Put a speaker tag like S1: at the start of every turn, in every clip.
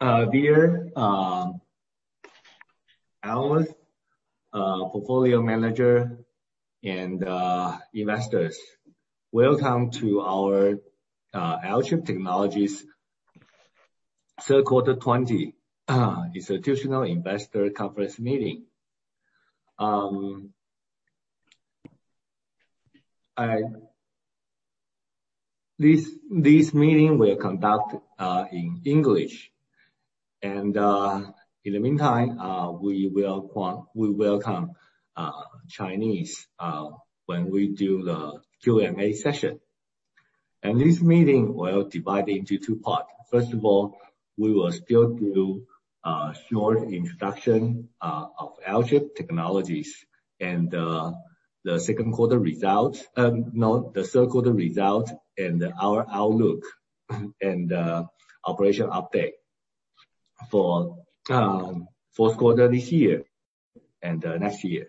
S1: Dear analysts, portfolio manager, and investors. Welcome to our Alchip Technologies third quarter 2020 institutional investor conference meeting. This meeting will conduct in English. In the meantime, we welcome Chinese when we do the Q&A session. This meeting will divide into two parts. First of all, we will still do a short introduction of Alchip Technologies and the third quarter result, and our outlook, and operation update for fourth quarter this year and next year.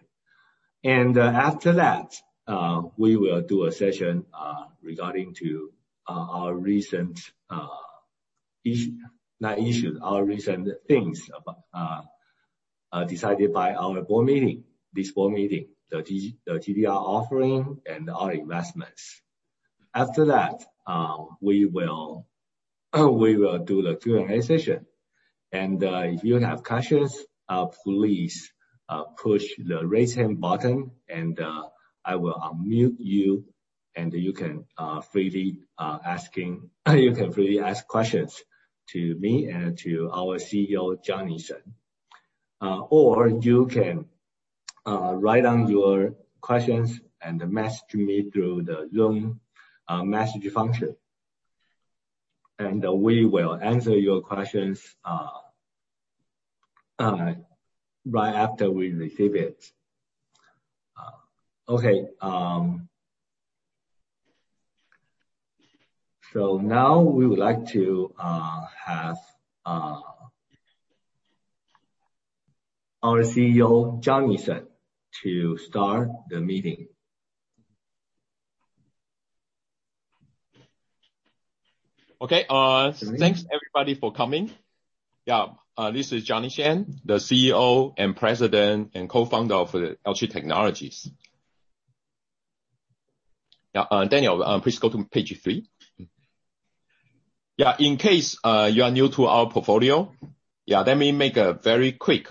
S1: After that, we will do a session regarding to our recent things decided by our board meeting, this board meeting, the GDR offering, and our investments. After that, we will do the Q&A session. If you have questions, please push the raise hand button, and I will unmute you, and you can freely ask questions to me and to our CEO, Johnny Shen. You can write down your questions and message me through the Zoom message function. We will answer your questions right after we receive it. Okay. Now we would like to have our CEO, Johnny Shen to start the meeting.
S2: Okay. Thanks everybody for coming. Yeah. This is Johnny Shen, the CEO and President and Co-founder of Alchip Technologies. Daniel, please go to page three. Yeah. In case you are new to our portfolio, let me make a very quick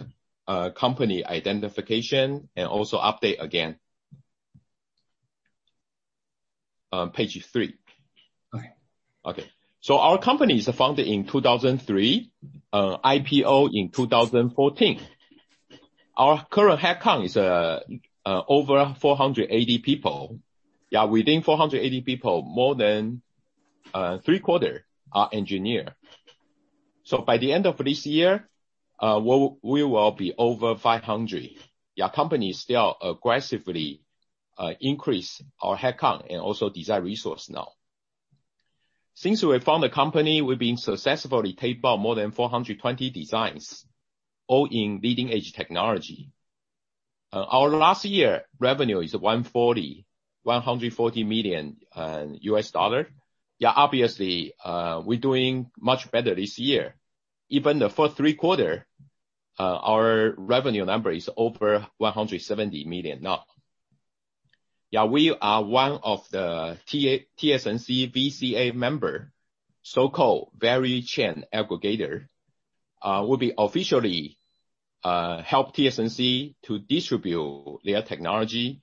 S2: company identification and also update again. Page three.
S1: Okay.
S2: Okay. Our company is founded in 2003, IPO in 2014. Our current headcount is over 480 people. Yeah, within 480 people, more than three-quarter are engineer. By the end of this year, we will be over 500. Yeah, company is still aggressively increase our headcount and also design resource now. Since we found the company, we've been successfully tape out more than 420 designs, all in leading-edge technology. Our last year revenue is $140 million. Yeah, obviously, we're doing much better this year. Even the first three quarter, our revenue number is over $170 million now. Yeah, we are one of the TSMC VCA member, so-called Value Chain Aggregator. We officially help TSMC to distribute their technology,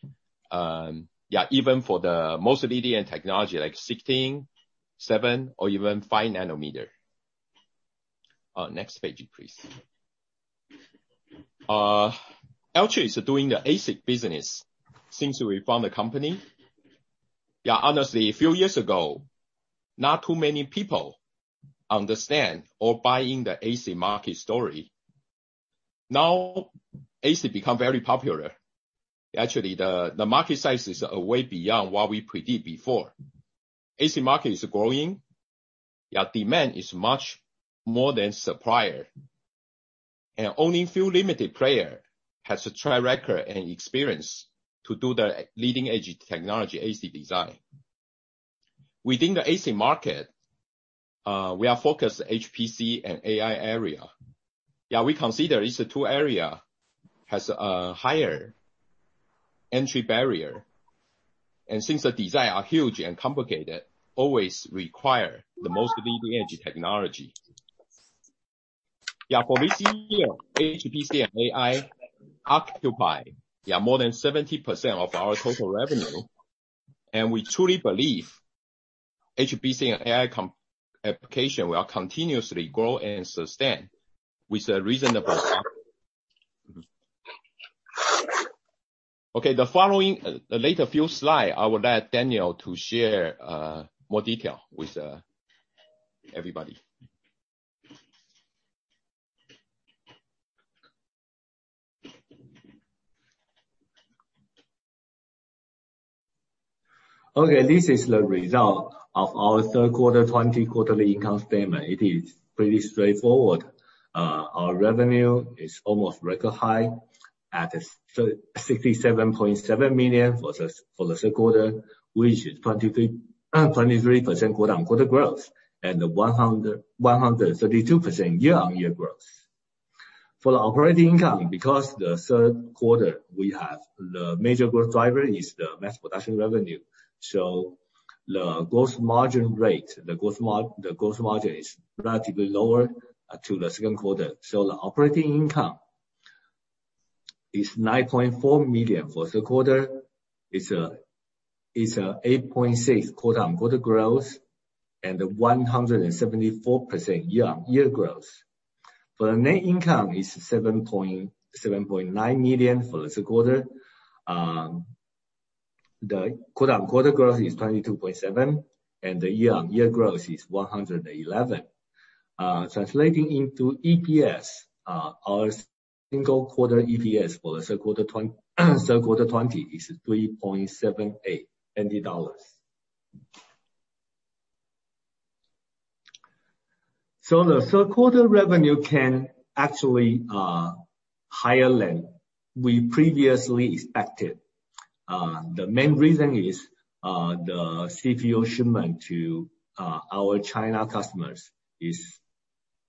S2: even for the most leading technology like 16 nm, 7 nm, or even 5 nm. Next page, please. Alchip is doing the ASIC business since we found the company. Honestly, a few years ago, not too many people understand or buy in the ASIC market story. Now, ASIC become very popular. Actually, the market size is way beyond what we predict before. ASIC market is growing, yet demand is much more than supplier. Only a few limited player has a track record and experience to do the leading-edge technology ASIC design. Within the ASIC market, we are focused HPC and AI area. We consider these two area has a higher entry barrier. Since the design are huge and complicated, always require the most leading-edge technology. For this year, HPC and AI occupy more than 70% of our total revenue, and we truly believe HPC and AI application will continuously grow and sustain. Okay, the later few slide, I would like Daniel to share more detail with everybody.
S1: This is the result of our third quarter 2020 quarterly income statement. It is pretty straightforward. Our revenue is almost record high at $67.7 million for the third quarter, which is 23% quarter-on-quarter growth and 132% year-on-year growth. For the operating income, because the third quarter, we have the major growth driver is the mass production revenue. The gross margin is relatively lower than the second quarter. The operating income is $9.4 million for third quarter. It's a 8.6% quarter-on-quarter growth and 174% year-on-year growth. For the net income is $7.9 million for the second quarter. The quarter-on-quarter growth is 22.7%, and the year-on-year growth is 111%. Translating into EPS, our single quarter EPS for the third quarter is TWD 3.78. The third quarter revenue can actually be higher than we previously expected. The main reason is the CPU shipment to our China customers is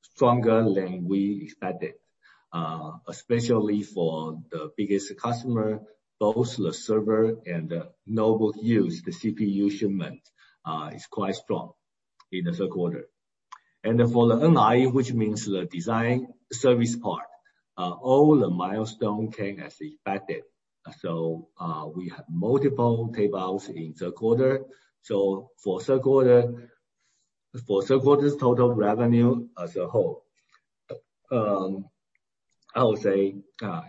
S1: stronger than we expected, especially for the biggest customer, both the server and the notebook use the CPU shipment is quite strong in the third quarter. For the NRE, which means the design service part, all the milestone came as expected. We have multiple tapeouts in third quarter. For third quarter's total revenue as a whole, I would say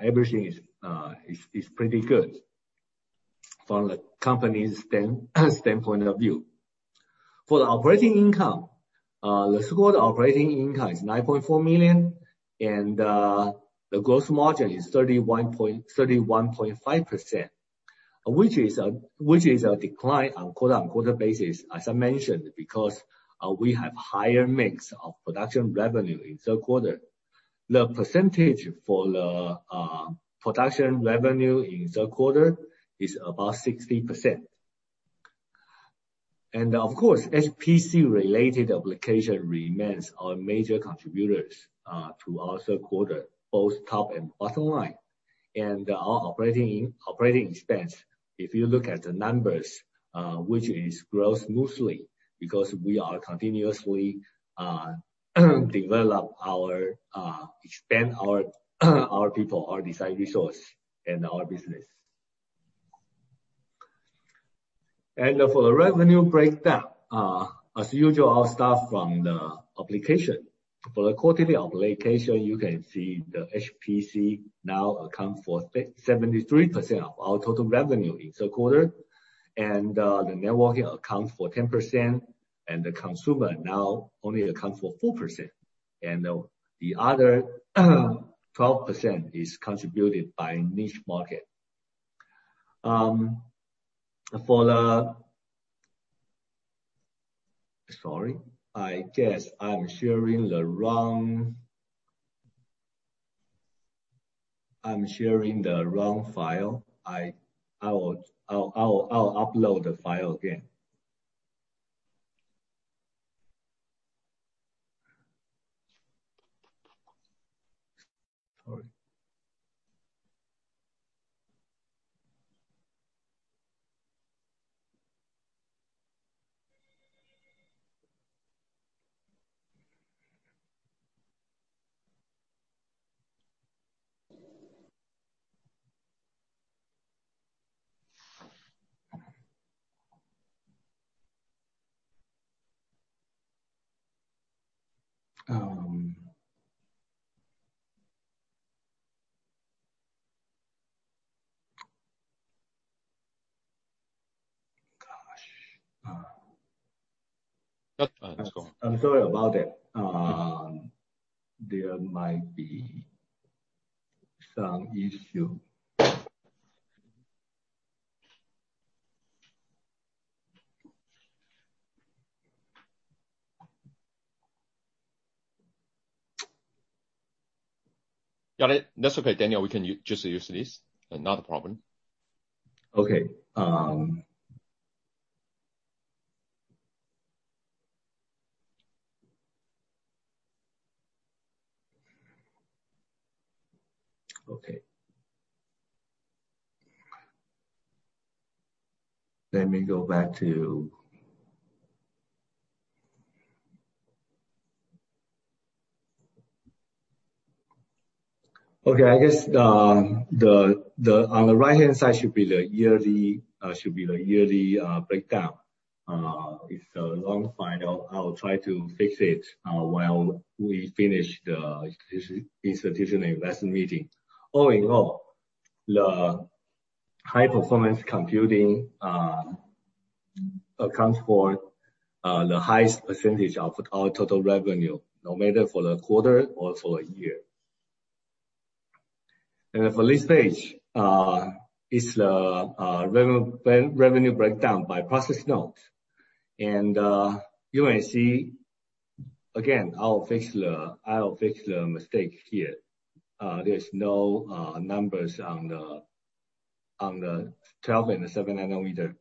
S1: everything is pretty good from the company's standpoint of view. For the operating income, the third quarter operating income is $9.4 million, and the gross margin is 31.5%, which is a decline on quarter-on-quarter basis as I mentioned, because we have higher mix of production revenue in third quarter. The percentage for the production revenue in third quarter is about 60%. Of course, HPC related application remains our major contributors to our third quarter, both top and bottom line. Our operating expense, if you look at the numbers, which is grow smoothly because we are continuously develop our, expand our people, our design resource, and our business. For the revenue breakdown, as usual, I'll start from the application. For the quarterly application, you can see the HPC now account for 73% of our total revenue in third quarter, and the networking account for 10%, and the consumer now only account for 4%. The other 12% is contributed by niche market. Sorry, I guess I'm sharing the wrong file. I'll upload the file again. Sorry. Gosh.
S2: That's fine. It's cool.
S1: I'm sorry about it. There might be some issue.
S2: Got it. That's okay, Daniel, we can just use this. Not a problem.
S1: Okay. Okay. Let me go back to Okay. I guess, on the right-hand side should be the yearly breakdown. It's a wrong file. I will try to fix it while we finish the institutional investment meeting. All in all, the high performance computing accounts for the highest percentage of our total revenue, no matter for the quarter or for a year. For this page, it's the revenue breakdown by process node. You may see, again, I'll fix the mistake here. There's no numbers on the 12 nm and the 7 nm.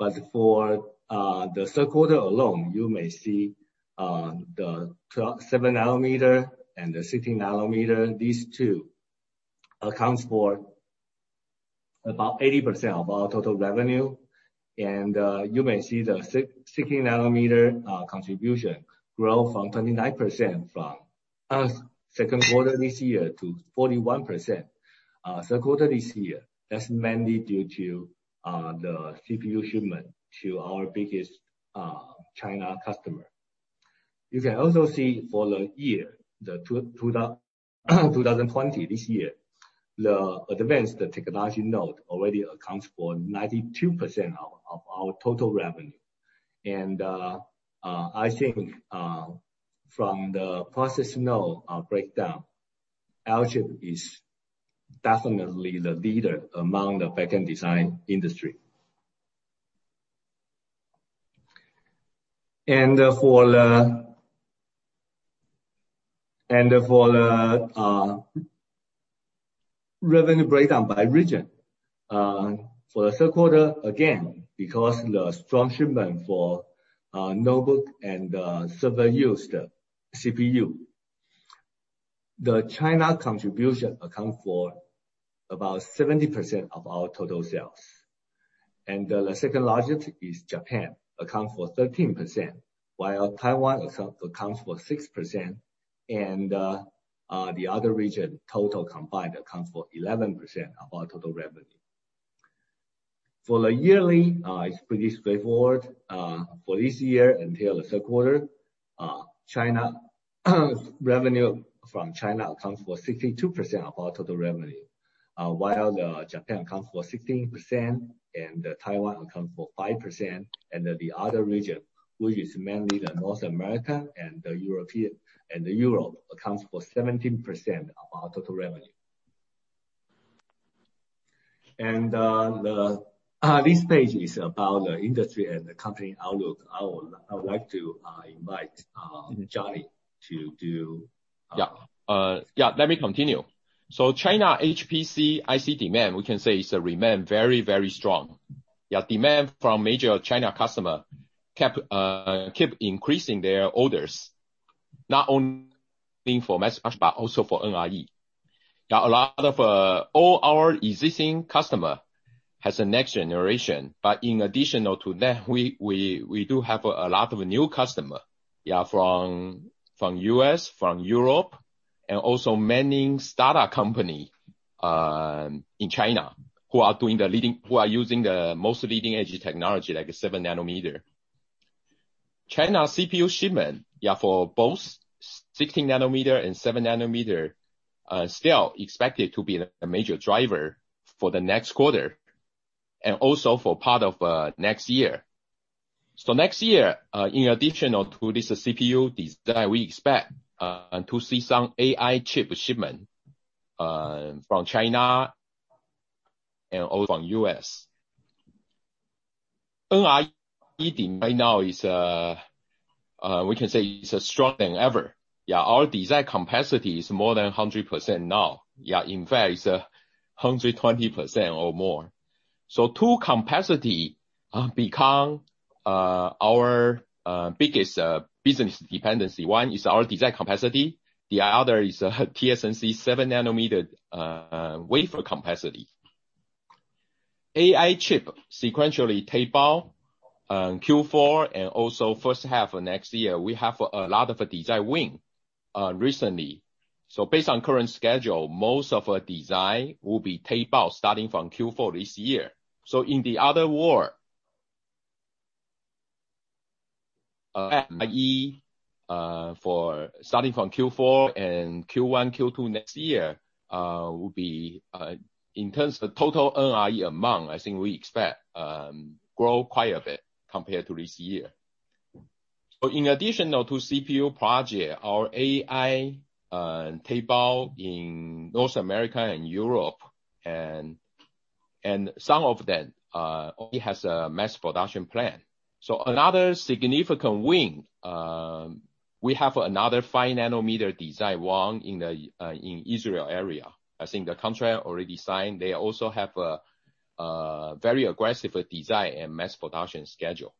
S1: But for the third quarter alone, you may see the 7 nm and the 16 nm, these two accounts for about 80% of our total revenue. You may see the 16 nm contribution grow from 29% from second quarter this year to 41% third quarter this year. That's mainly due to the CPU shipment to our biggest China customer. You can also see for the year, the 2020, this year, the advanced technology node already accounts for 92% of our total revenue. I think, from the process node breakdown, Alchip is definitely the leader among the back-end design industry. For the revenue breakdown by region, for the third quarter, again, because the strong shipment for notebook and server used CPU. The China contribution account for about 70% of our total sales. The second largest is Japan, account for 13%, while Taiwan accounts for 6%, and the other region total combined accounts for 11% of our total revenue. For the yearly, it's pretty straightforward. For this year until the third quarter, revenue from China accounts for 62% of our total revenue, while Japan accounts for 16% and Taiwan accounts for 5%. The other region, which is mainly the North America and the Europe, accounts for 17% of our total revenue. This page is about the industry and the company outlook. I would like to invite Johnny to do-
S2: Yeah. Let me continue. China HPC IC demand, we can say it remains very strong. Yeah, demand from major China customer keep increasing their orders, not only for mass but also for NRE. All our existing customer has a next generation, in addition to that, we do have a lot of new customer from U.S., from Europe, and also many startup company in China who are using the most leading-edge technology, like 7 nm. China CPU shipment, for both 16 nm and 7 nm, still expected to be a major driver for the next quarter and also for part of next year. Next year, in addition to this CPU design, we expect to see some AI chip shipment from China and also from U.S. NRE demand right now is, we can say is stronger than ever. Yeah, our design capacity is more than 100% now. Yeah, in fact, it's 120% or more. Two capacity become our biggest business dependency. One is our design capacity. The other is a TSMC 7 nm wafer capacity. AI chip sequentially tape out Q4 and also first half of next year. We have a lot of design win recently. Based on current schedule, most of our design will be tape out starting from Q4 this year. In the other word, NRE for starting from Q4 and Q1, Q2 next year, in terms of total NRE amount, I think we expect grow quite a bit compared to this year. In addition to CPU project, our AI tape out in North America and Europe, and some of them only has a mass production plan. Another significant win, we have another 5 nm design won in Israel area. I think the contract already signed. They also have a very aggressive design and mass production schedule.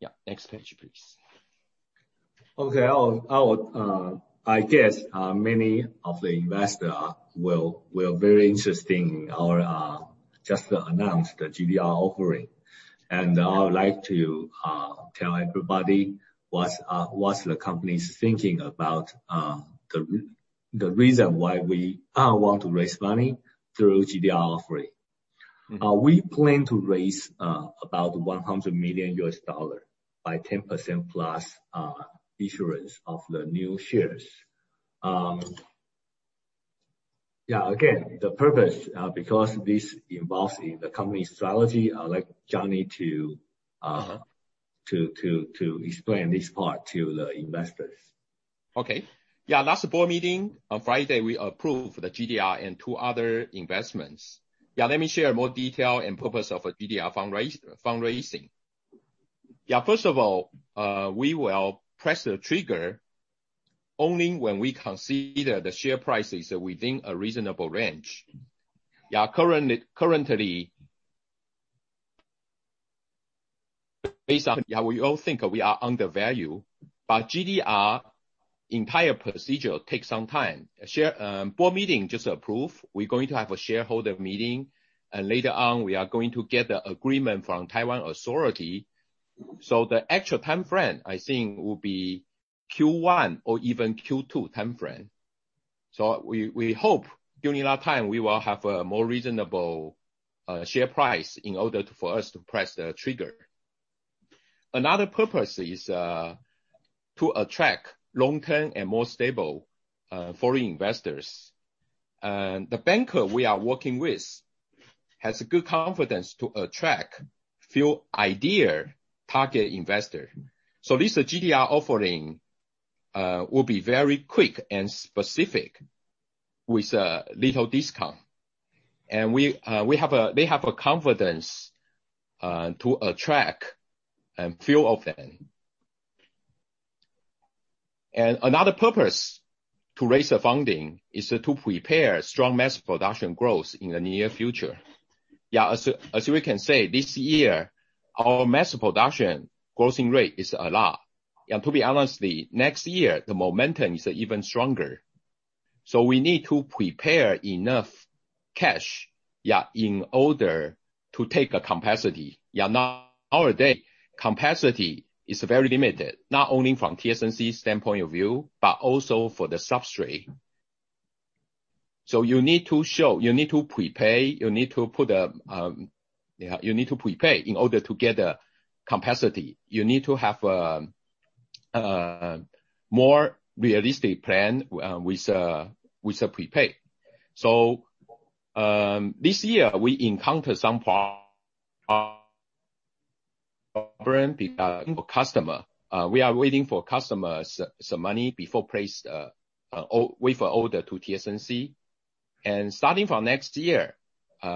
S2: Yeah. Next page, please.
S1: Okay. I guess, many of the investors will be very interested in our just announced GDR offering. I would like to tell everybody what the company's thinking about the reason why we want to raise money through GDR offering. We plan to raise about $100 million by 10% plus issuance of the new shares. Yeah, again, the purpose, because this involves the company's strategy, I'd like Johnny to explain this part to the investors.
S2: Okay. Yeah, last board meeting on Friday, we approved the GDR and two other investments. Let me share more detail and purpose of a GDR fundraising. First of all, we will press the trigger only when we consider the share price is within a reasonable range. Currently, based on how we all think, we are undervalued. GDR entire procedure takes some time. Board meeting just approved. We're going to have a shareholder meeting. Later on, we are going to get the agreement from Taiwan authority. The actual timeframe, I think, will be Q1 or even Q2 timeframe. We hope during that time we will have a more reasonable share price in order for us to press the trigger. Another purpose is to attract long-term and more stable foreign investors. The banker we are working with has good confidence to attract a few ideal target investors. This GDR offering will be very quick and specific with a little discount. They have a confidence to attract a few of them. Another purpose to raise the funding is to prepare strong mass production growth in the near future. As we can say, this year, our mass production closing rate is a lot. To be honest, next year, the momentum is even stronger. We need to prepare enough cash in order to take capacity. Nowadays, capacity is very limited, not only from TSMC standpoint of view, but also for the substrate. You need to prepay in order to get the capacity. You need to have a more realistic plan with the prepay. This year, we encounter some problem with customer. We are waiting for customers' money before order to TSMC. Starting from next year,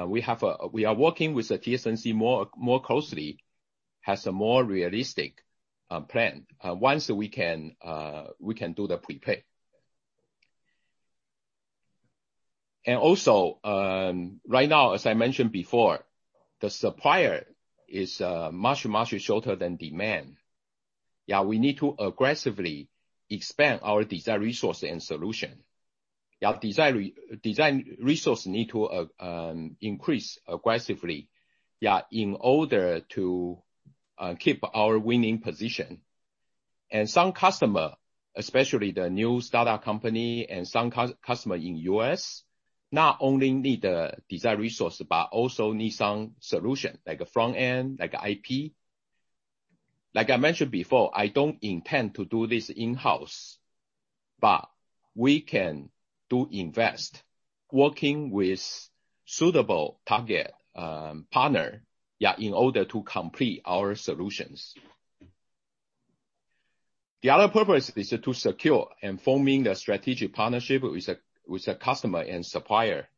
S2: we are working with TSMC more closely, has a more realistic plan. Once we can do the prepay. Also, right now, as I mentioned before, the supplier is much, much shorter than demand. We need to aggressively expand our design resource and solution. Design resource need to increase aggressively in order to keep our winning position. Some customer, especially the new startup company and some customer in U.S., not only need the design resource, but also need some solution, like a front end, like IP. Like I mentioned before, I don't intend to do this in-house, but we can do invest, working with suitable target partner in order to complete our solutions. The other purpose is to secure and forming the strategic partnership with the customer and supplier.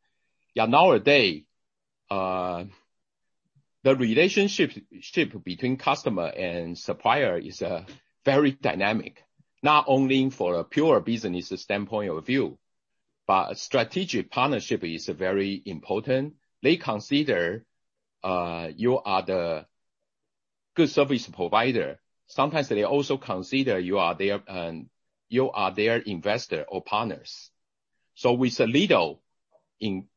S2: Nowadays, the relationship between customer and supplier is very dynamic, not only for a pure business standpoint of view, but strategic partnership is very important. They consider you are the good service provider. Sometimes they also consider you are their investor or partners. With a little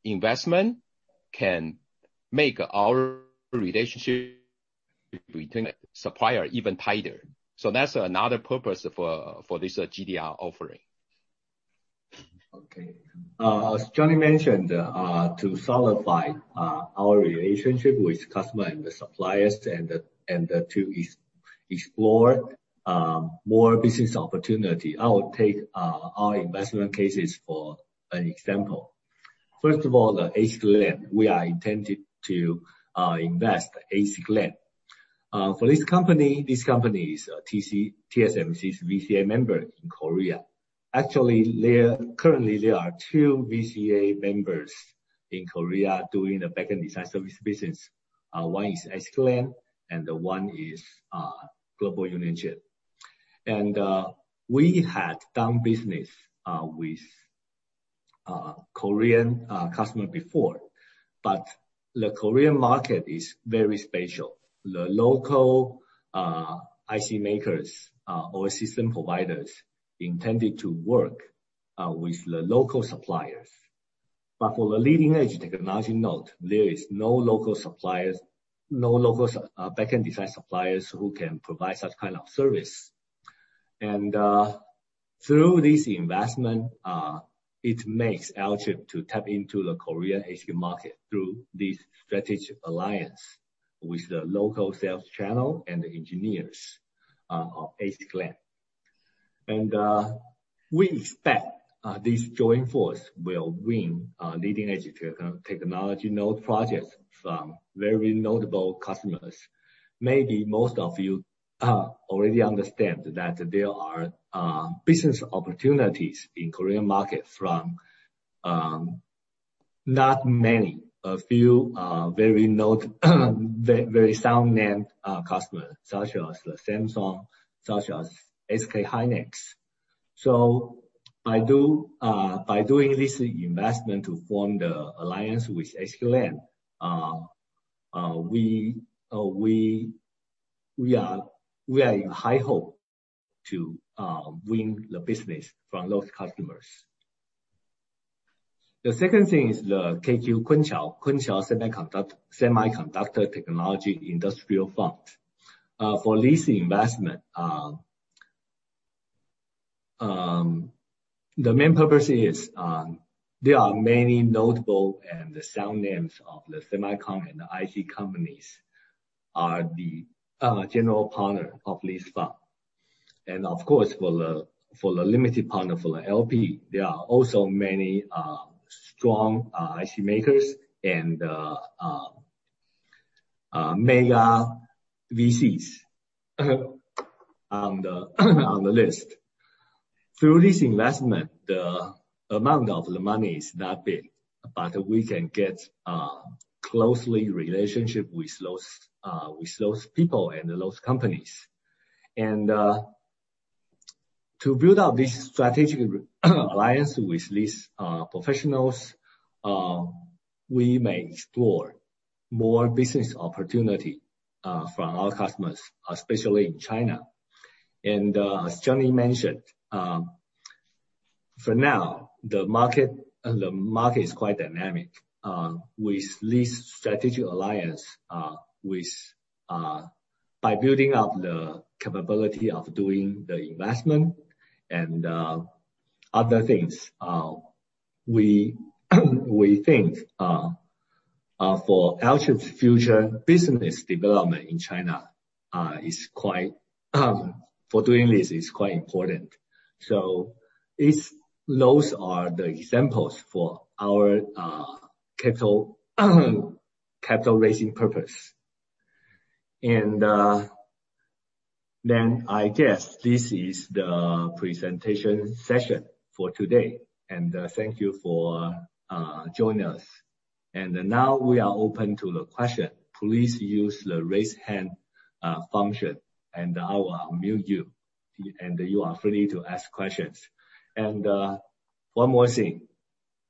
S2: investment, can make our relationship between supplier even tighter. That's another purpose for this GDR offering.
S1: Okay. As Johnny mentioned, to solidify our relationship with customer and the suppliers and to explore more business opportunity, I will take our investment cases for an example. First of all, the ASICLAND. We are intended to invest ASICLAND. This company is TSMC's VCA member in Korea. Actually, currently, there are two VCA members in Korea doing the backend design service business. One is ASICLAND and the one is Global Unichip Corp. We had done business with Korean customer before, but the Korean market is very special. The local IC makers or system providers intended to work with the local suppliers. For the leading-edge technology node, there is no local backend design suppliers who can provide such kind of service. Through this investment, it makes Alchip to tap into the Korea IC market through this strategic alliance with the local sales channel and the engineers of ASICLAND. We expect this joint force will win leading-edge technology node projects from very notable customers. Maybe most of you already understand that there are business opportunities in Korean market from not many, a few very sound name customers, such as Samsung, such as SK Hynix. By doing this investment to form the alliance with ASICLAND, we are in high hope to win the business from those customers. The second thing is the KQ, Kunshan Semiconductor Technology Industrial Fund. For this investment, the main purpose is, there are many notable and sound names of the semiconductor and IC companies are the general partner of this fund. Of course, for the limited partner, for the LP, there are also many strong IC makers and mega VCs on the list. Through this investment, the amount of the money is that big. We can get a close relationship with those people and those companies. To build out this strategic alliance with these professionals, we may explore more business opportunity from our customers, especially in China. As Johnny mentioned, for now, the market is quite dynamic. With this strategic alliance, by building up the capability of doing the investment and other things, we think for Alchip's future business development in China, for doing this is quite important. Those are the examples for our capital raising purpose. Then I guess this is the presentation session for today, and thank you for joining us. Now we are open to the question. Please use the raise hand function and I will unmute you, and you are free to ask questions. One more thing,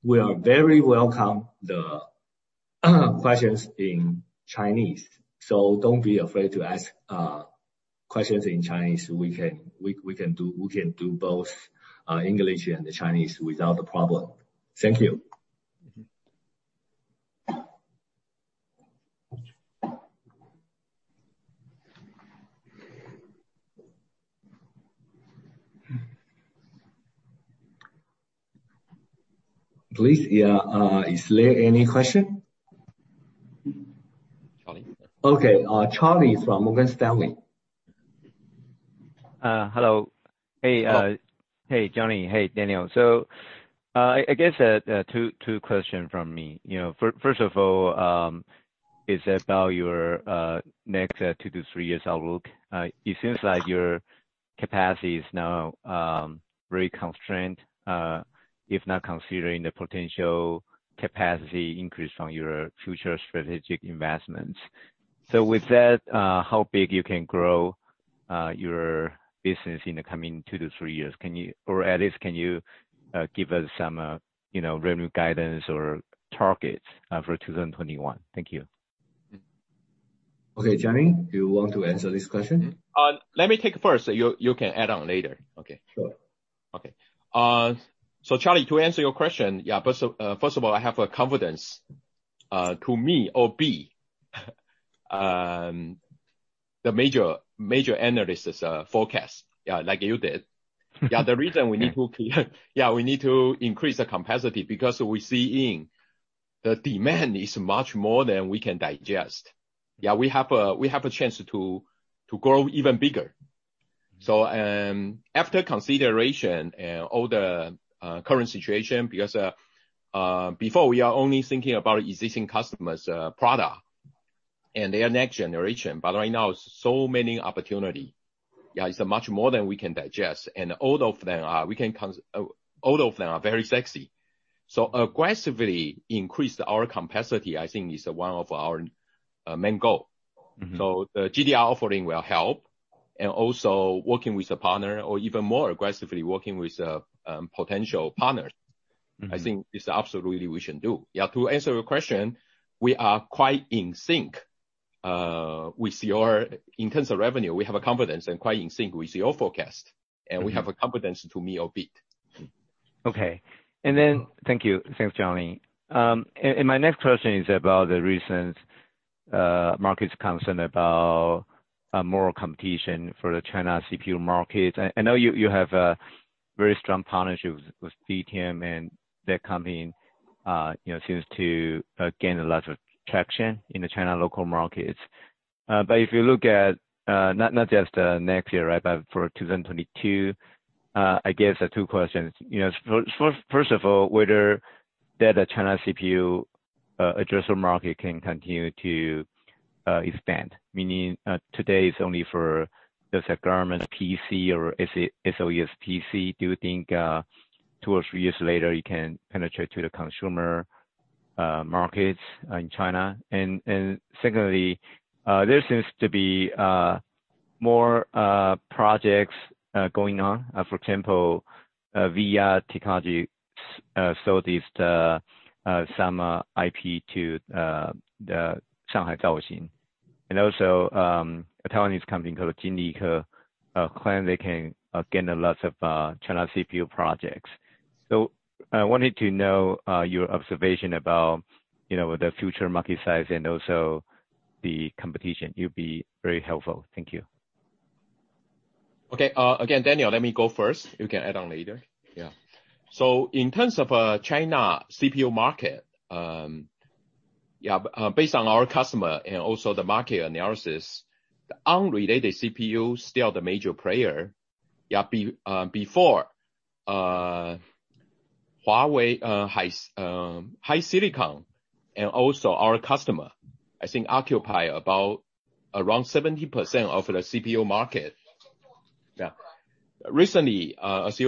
S1: we very welcome the questions in Chinese, so don't be afraid to ask questions in Chinese. We can do both English and Chinese without a problem. Thank you. Please, is there any question?
S2: Charlie.
S1: Okay, Charlie from Morgan Stanley.
S3: Hello. Hey, Johnny. Hey, Daniel. I guess two questions from me. First of all, it's about your next two to three years outlook. It seems like your capacity is now very constrained, if not considering the potential capacity increase from your future strategic investments. With that, how big you can grow your business in the coming two to three years? Or at least, can you give us some revenue guidance or targets for 2021? Thank you.
S1: Okay. Johnny, do you want to answer this question?
S2: Let me take it first. You can add on later. Okay.
S1: Sure.
S2: Okay. Charlie, to answer your question, first of all, I have a confidence to meet or beat the major analyst's forecast, like you did. The reason we need to increase the capacity, because we see the demand is much more than we can digest. We have a chance to grow even bigger. After consideration and all the current situation, because before we are only thinking about existing customers' product and their next generation. Right now, it's so many opportunity. It's much more than we can digest. All of them are very sexy. Aggressively increase our capacity, I think, is one of our main goal. The GDR offering will help, also working with a partner or even more aggressively working with potential partners, I think is absolutely we should do. To answer your question, In terms of revenue, we have a confidence and quite in sync with your forecast, we have a confidence to meet or beat.
S3: Okay. Thank you. Thanks, Johnny. My next question is about the recent market's concern about more competition for the China CPU market. I know you have a very strong partnership with Phytium and that company seems to gain lots of traction in the China local markets. If you look at not just next year, but for 2022, I guess there are two questions. First of all, whether the China CPU addressable market can continue to expand, meaning today it's only for the government PC or SOE's PC. Do you think two or three years later you can penetrate to the consumer markets in China? Secondly, there seems to be more projects going on. For example, VIA Technologies sold some IP to Shanghai Zhaoxin. Also, a Taiwanese company called Jinyihe claims they can gain a lot of China CPU projects. I wanted to know your observation about the future market size and also the competition. You would be very helpful. Thank you.
S2: Okay. Again, Daniel, let me go first. You can add on later. In terms of China CPU market, based on our customer and also the market analysis, Arm related CPU still the major player. Before, Huawei HiSilicon and also our customer, I think occupy about around 70% of the CPU market. Recently, as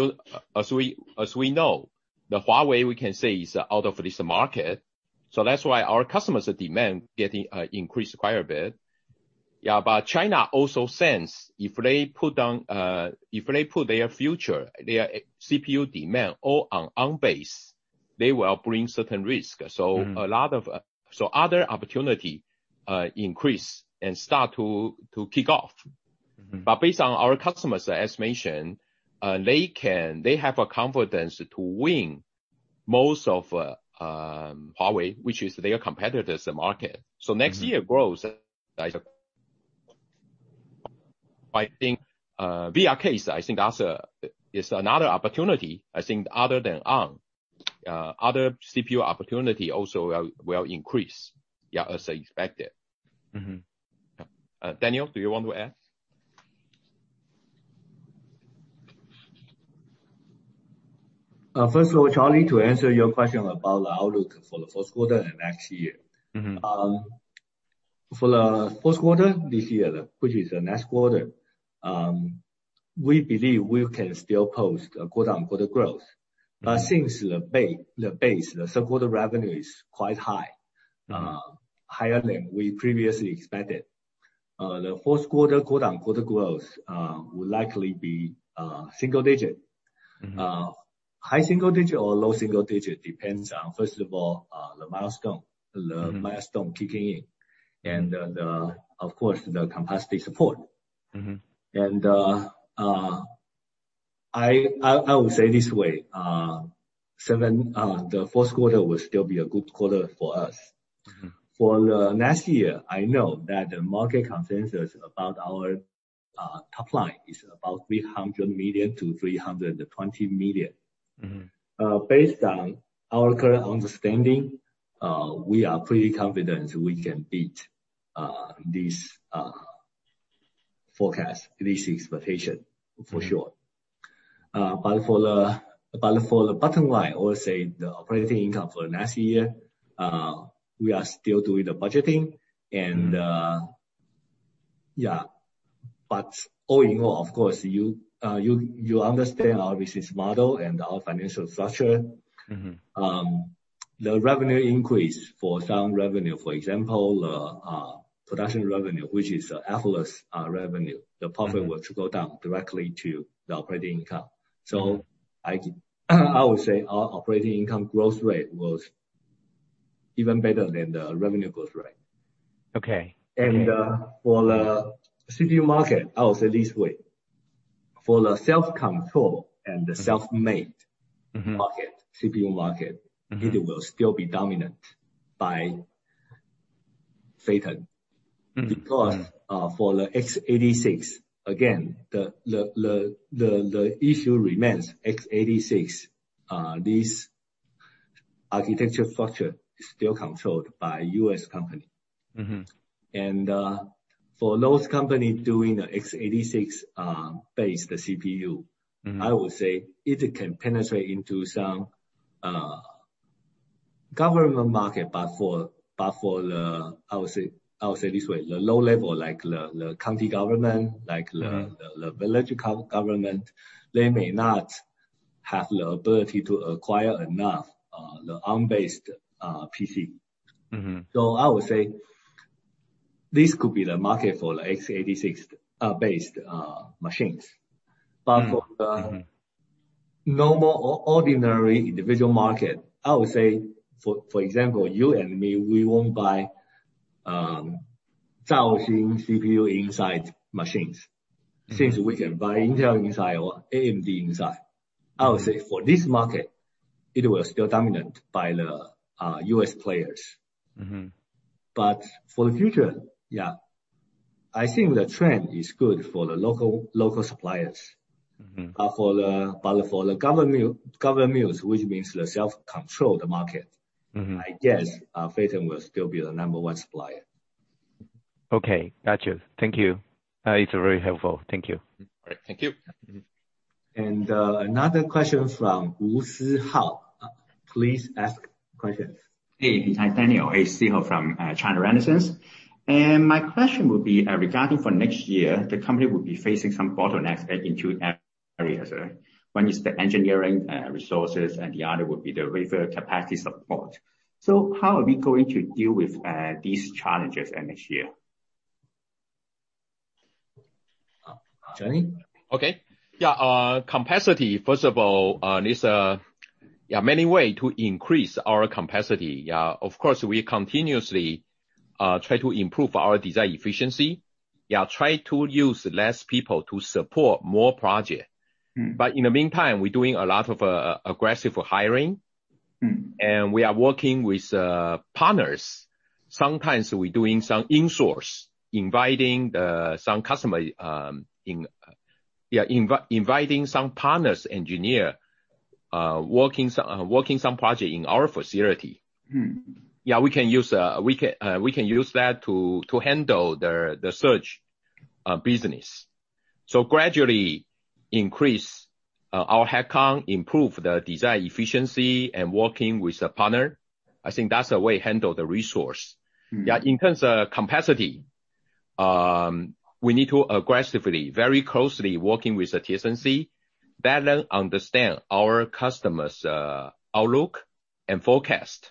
S2: we know, the Huawei, we can say, is out of this market. That's why our customers demand increased quite a bit. China also sense if they put their future, their CPU demand all on Arm-based, they will bring certain risk. Other opportunity increase and start to kick off. Based on our customers, as mentioned, they have a confidence to win most of Huawei, which is their competitors in market. Next year growth, I think, VIA case, I think that's another opportunity. I think other than Arm, other CPU opportunity also will increase as expected. Daniel, do you want to add?
S1: First of all, Charlie, to answer your question about the outlook for the fourth quarter and next year. For the fourth quarter this year, which is the next quarter, we believe we can still post a quarter-on-quarter growth. Since the base, the third quarter revenue is quite high. Higher than we previously expected. The fourth quarter-on-quarter growth will likely be single digit. High single digit or low single digit depends on, first of all, the milestone kicking in and of course, the capacity support. I would say it this way, the fourth quarter will still be a good quarter for us. For the next year, I know that the market consensus about our top line is about $300 million-$320 million. Based on our current understanding, we are pretty confident we can beat this forecast, this expectation, for sure. For the bottom line, or say, the operating income for next year, we are still doing the budgeting and yeah. All in all, of course, you understand our business model and our financial structure. The revenue increase for some revenue, for example, production revenue, which is average revenue, the profit will go down directly to the operating income. I would say our operating income growth rate was even better than the revenue growth rate.
S3: Okay.
S1: For the CPU market, I will say it this way, for the self-control and the self-made CPU market, it will still be dominant by Phytium. Because, for the x86, again, the issue remains x86. This architecture structure is still controlled by U.S. company. For those company doing the x86-based CPU, I would say it can penetrate into some government market. For the, I will say it this way, the low level, like the county government, like the village government, they may not have the ability to acquire enough Arm-based PC. I would say this could be the market for x86-based machines. For the normal or ordinary individual market, I would say, for example, you and me, we won't buy Zhaoxin CPU inside machines since we can buy Intel inside or AMD inside. I would say, for this market, it will still dominant by the U.S. players. For the future, yeah, I think the trend is good for the local suppliers. For the government, which means the self-controlled market. I guess Phytium will still be the number one supplier.
S3: Okay, got you. Thank you. It's very helpful. Thank you.
S1: All right. Thank you. Another question from Szeho Ng. Please ask question.
S4: Hey, hi, Daniel. It's Szeho from China Renaissance. My question would be regarding for next year, the company will be facing some bottlenecks in two areas. One is the engineering resources, and the other would be the wafer capacity support. How are we going to deal with these challenges next year?
S1: Johnny?
S2: Okay. Yeah, capacity, first of all, there are many way to increase our capacity. Of course, we continuously try to improve our design efficiency. Try to use less people to support more project. In the meantime, we're doing a lot of aggressive hiring. We are working with partners. Sometimes we're doing some insource, inviting some partners engineer, working some project in our facility. Yeah, we can use that to handle the surge business. Gradually increase our headcount, improve the design efficiency, and working with the partner. I think that's the way handle the resource. Yeah, in terms of capacity, we need to aggressively, very closely, working with the TSMC, better understand our customers' outlook and forecast.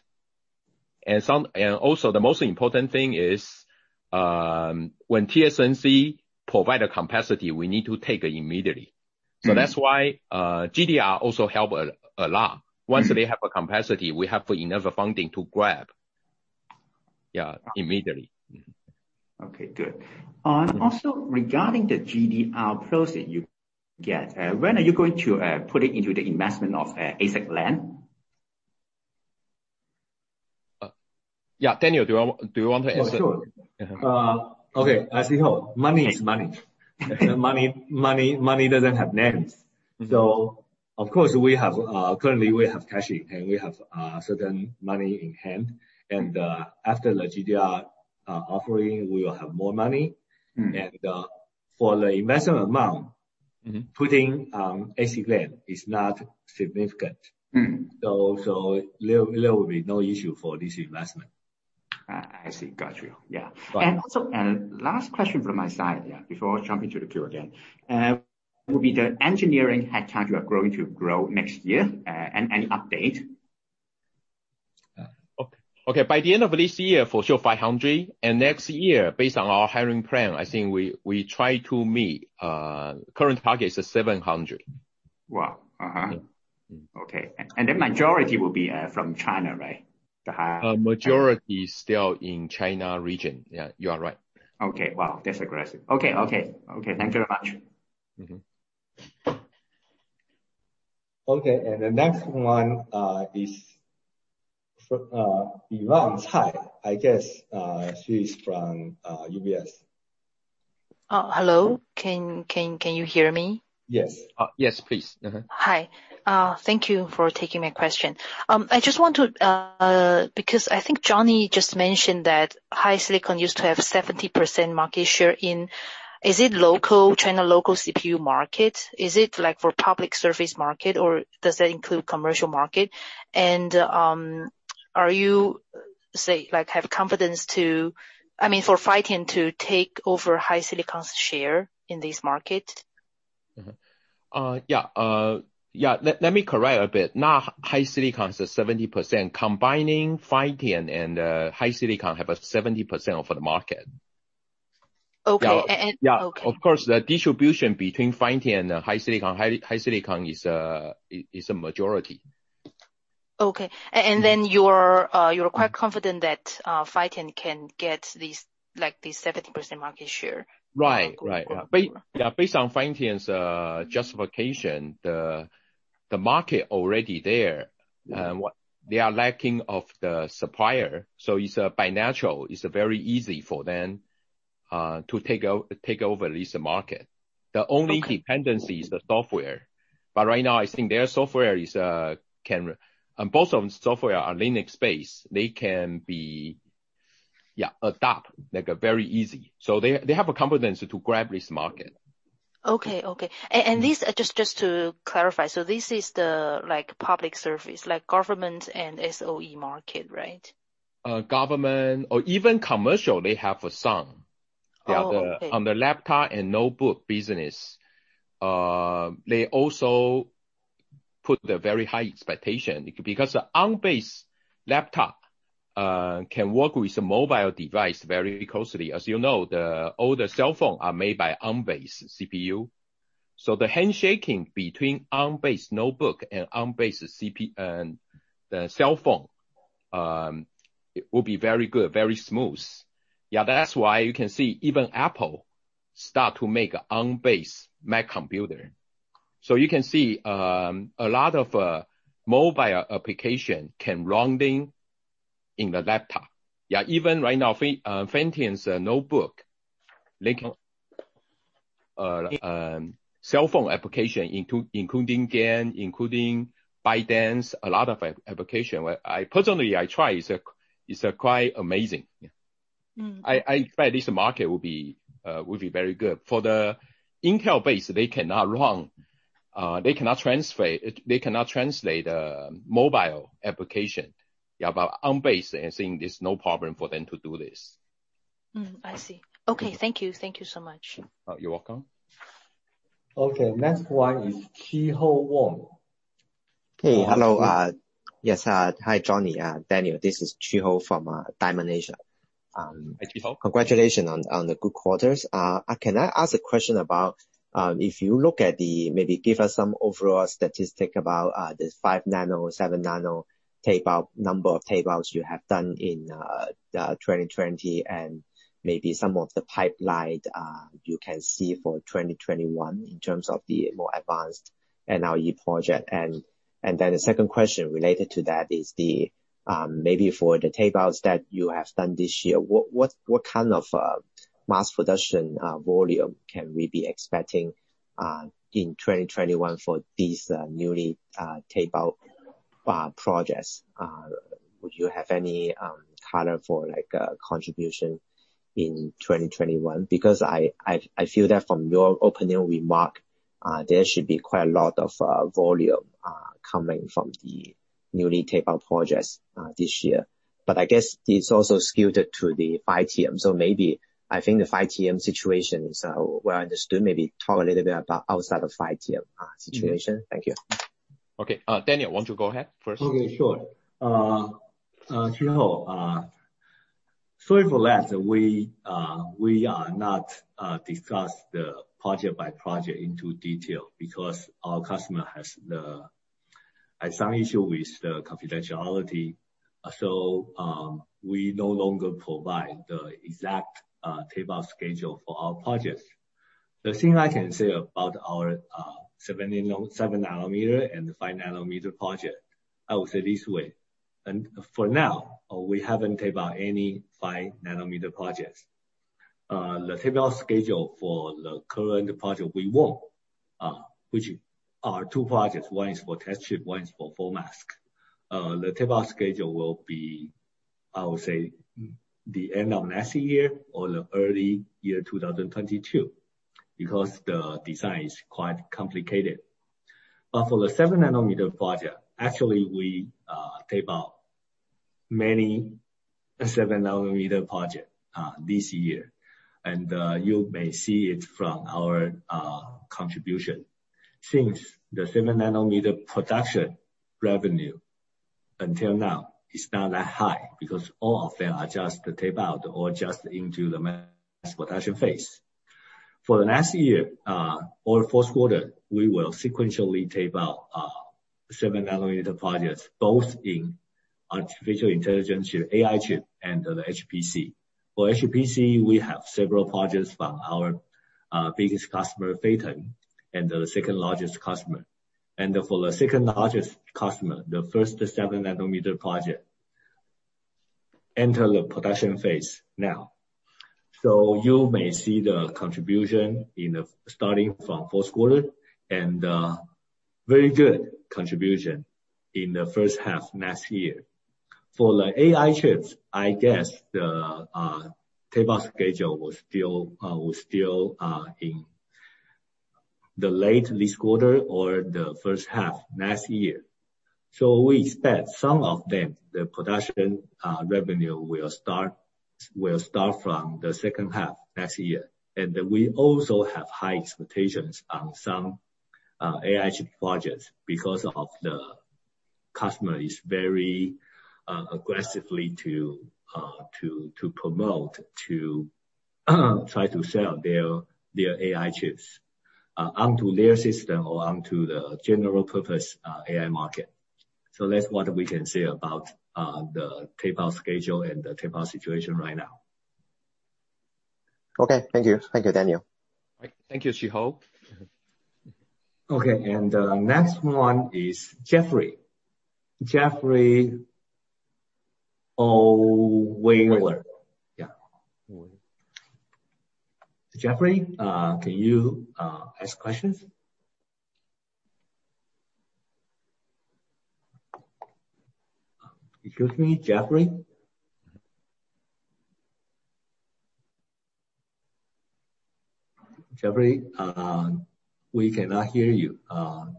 S2: Also, the most important thing is, when TSMC provide a capacity, we need to take immediately. That's why GDR also help a lot. Once they have a capacity, we have enough funding to grab, yeah, immediately.
S4: Okay, good. Also, regarding the GDR proceeds you get, when are you going to put it into the investment of ASICLAND?
S2: Yeah. Daniel, do you want to answer?
S1: Sure. Okay. As you know, money is money. Money doesn't have names. Of course, currently we have cash in hand, we have certain money in hand, and after the GDR offering, we will have more money. For the investment amount. putting ASICLAND is not significant. There will be no issue for this investment.
S4: I see. Got you. Yeah.
S1: Right.
S4: Also, last question from my side, before jumping to the queue again. Will be the engineering headcount you are going to grow next year, any update?
S2: Okay. By the end of this year, for sure 500, and next year, based on our hiring plan, I think we try to meet, current target is at 700.
S4: Wow.
S2: Yeah.
S4: Okay. The majority will be from China, right?
S2: Majority is still in China region. Yeah, you are right.
S4: Okay. Wow, that's aggressive. Okay. Thank you very much.
S1: Okay, the next one is from Yvonne Tsai. I guess she's from UBS.
S5: Hello, can you hear me?
S1: Yes.
S2: Yes, please.
S5: Hi. Thank you for taking my question. Because I think Johnny just mentioned that HiSilicon used to have 70% market share in, is it China local CPU market? Is it for public service market, or does that include commercial market? Are you, say, have confidence to, I mean, for Phytium to take over HiSilicon's share in this market?
S2: Yeah. Let me correct a bit. Now, HiSilicon is at 70%, combining Phytium and HiSilicon have a 70% of the market.
S5: Okay. Okay.
S2: Yeah. Of course, the distribution between Phytium and HiSilicon is a majority.
S5: Okay. You're quite confident that Phytium can get this 70% market share?
S2: Right. Based on Phytium's justification, the market already there.
S5: Yeah.
S2: They are lacking of the supplier, so it's by natural, it's very easy for them to take over this market.
S5: Okay.
S2: The only dependency is the software. Right now, I think their software, both of software are Linux based. They can be, adapt, like very easy. They have a confidence to grab this market.
S5: Okay. This, just to clarify, this is the public service, like government and SOE market, right?
S2: Government or even commercial, they have some.
S5: Oh, okay.
S2: On the laptop and notebook business, they also put a very high expectation. The ARM-based laptop can work with a mobile device very closely. As you know, the older cell phones are made by ARM-based CPU. The handshaking between ARM-based notebook and ARM-based cell phone will be very good, very smooth. That's why you can see even Apple start to make ARM-based Mac computer. You can see a lot of mobile application can running in the laptop. Even right now, Phytium's notebook, like cell phone application, including game, including ByteDance, a lot of application. Personally, I try, it's quite amazing. I expect this market will be very good. For the Intel base, they cannot run, they cannot translate mobile application. Yeah, on Arm, I think it's no problem for them to do this.
S5: I see. Okay, thank you. Thank you so much.
S2: You're welcome.
S1: Okay, next one is Chi Ho Wong.
S6: Hey, hello. Yes, hi, Johnny and Daniel. This is Chi Ho from Dymon Asia.
S2: Hi, Chi Ho.
S6: Congratulations on the good quarters. Can I ask a question about, maybe give us some overall statistic about the 5 nm, 7 nm tapeout, number of tapeouts you have done in 2020, and maybe some of the pipeline you can see for 2021, in terms of the more advanced NRE project. The second question related to that is maybe for the tapeouts that you have done this year, what kind of mass production volume can we be expecting in 2021 for these newly tapeout projects? Would you have any color for contribution in 2021? I feel that from your opening remark, there should be quite a lot of volume coming from the newly tapeout projects this year. I guess it's also skewed to the 5 nm. I think the TSMC situation is well understood, maybe talk a little bit about outside of TSMC situation. Thank you.
S2: Okay. Daniel, want to go ahead first?
S1: Okay, sure. Chi Ho, sorry for that. We are not discuss the project by project into detail because our customer has some issue with confidentiality. We no longer provide the exact tapeout schedule for our projects. The thing I can say about our 7 nm, and the 5 nm project, I will say this way. For now, we haven't tapeout any 5 nm projects. The tapeout schedule for the current project we want, which are two projects. One is for test chip, one is for full mask. The tapeout schedule will be, I would say, the end of next year or the early year 2022, because the design is quite complicated. For the 7 nm project, actually we tapeout many 7 nm project, this year. You may see it from our contribution. Since the 7 nm production revenue until now is not that high, because all of them are just tapeout or just into the mass production phase. For the next year, or fourth quarter, we will sequentially tapeout 7 nm projects, both in artificial intelligence unit, AI chip, and the HPC. For HPC, we have several projects from our biggest customer, Phytium, and the second largest customer. For the second largest customer, the first 7 nm project enter the production phase now. You may see the contribution starting from fourth quarter, and very good contribution in the first half next year. For the AI chips, I guess the tapeout schedule will still in the late this quarter or the first half next year. We expect some of them, the production revenue will start from the second half next year. We also have high expectations on some AI chip projects because the customer is very aggressively to promote, to try to sell their AI chips onto their system or onto the general purpose AI market. That's what we can say about the tapeout schedule and the tapeout situation right now.
S6: Okay. Thank you. Thank you, Daniel.
S2: Thank you, Chi Ho.
S1: Okay, the next one is Jeffrey. Jeffrey O. Wheeler. Yeah. Jeffrey, can you ask questions? Excuse me, Jeffrey? Jeffrey, we cannot hear you.
S2: In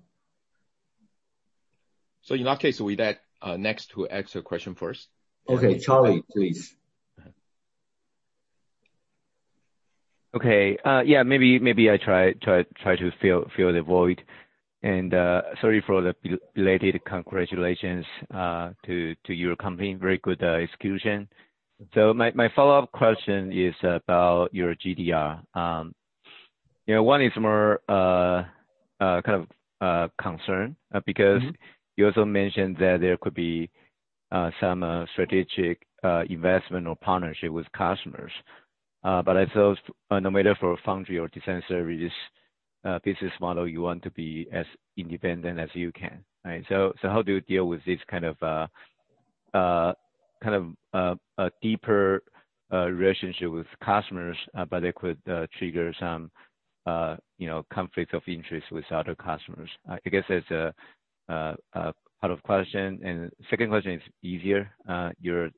S2: that case, we let next to ask a question first.
S1: Okay. Charlie, please.
S3: Okay. Yeah, maybe I try to fill the void. Sorry for the belated congratulations to your company. Very good execution. My follow-up question is about your GDR. One is more, kind of concern, because you also mentioned that there could be some strategic investment or partnership with customers. I thought no matter for foundry or design services business model, you want to be as independent as you can, right? How do you deal with this kind of deeper relationship with customers, but it could trigger some conflict of interest with other customers? I guess that's part of question. Second question is easier, your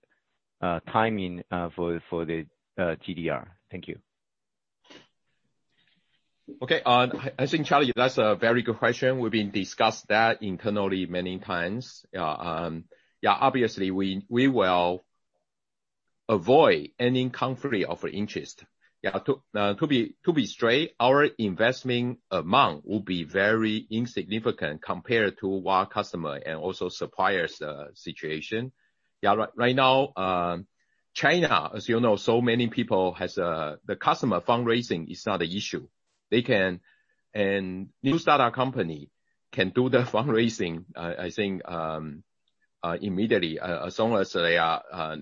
S3: timing for the GDR. Thank you.
S2: Okay. I think, Charlie, that's a very good question. We've been discussed that internally many times. Yeah, obviously we will avoid any conflict of interest. Yeah, to be straight, our investment amount will be very insignificant compared to our customer and also suppliers situation. Yeah, right now, China, as you know, so many people, the customer fundraising is not a issue. New startup company can do the fundraising, I think, immediately, as long as they are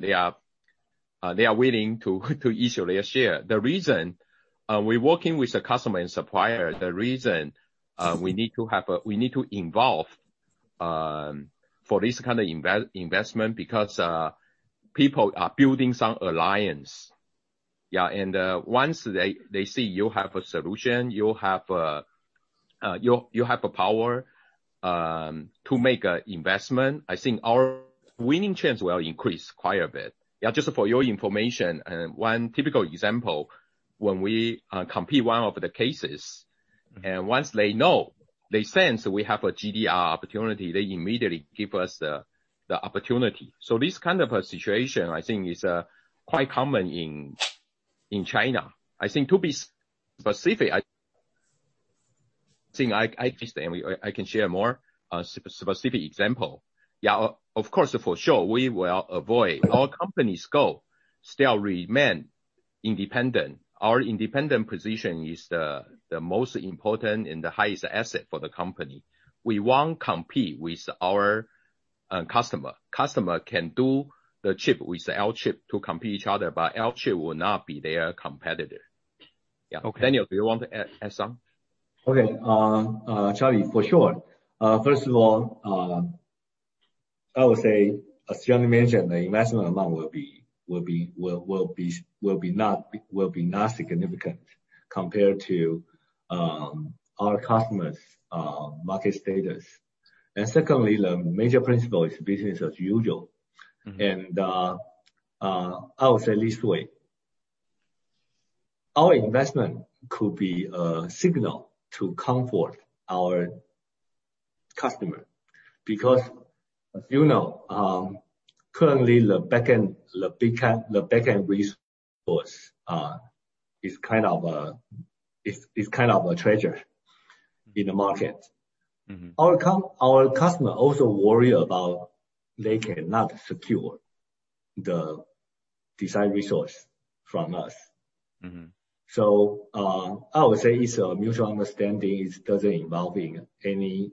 S2: willing to issue their share. We're working with the customer and supplier, the reason we need to involve for this kind of investment because people are building some alliance. Yeah. Once they see you have a solution, you have a power to make an investment, I think our winning chance will increase quite a bit. Just for your information, one typical example, when we compete one of the cases, and once they know, they sense we have a GDR opportunity, they immediately give us the opportunity. This kind of a situation, I think, is quite common in China. I think, to be specific, I think I can share more specific example. Of course, for sure, we will avoid. Our company's goal still remain independent. Our independent position is the most important and the highest asset for the company. We won't compete with our customer. Customer can do the chip with our chip to compete each other. Our chip will not be their competitor. Yeah.
S3: Okay.
S2: Daniel, do you want to add some?
S1: Okay. Charlie, for sure. First of all, I would say, as Johnny mentioned, the investment amount will be not significant compared to our customers' market status. Secondly, the major principle is business as usual. I would say at least way, our investment could be a signal to comfort our customer. As you know, currently, the backend resource is kind of a treasure in the market. Our customer also worry about they cannot secure the design resource from us. I would say it's a mutual understanding. It doesn't involve any,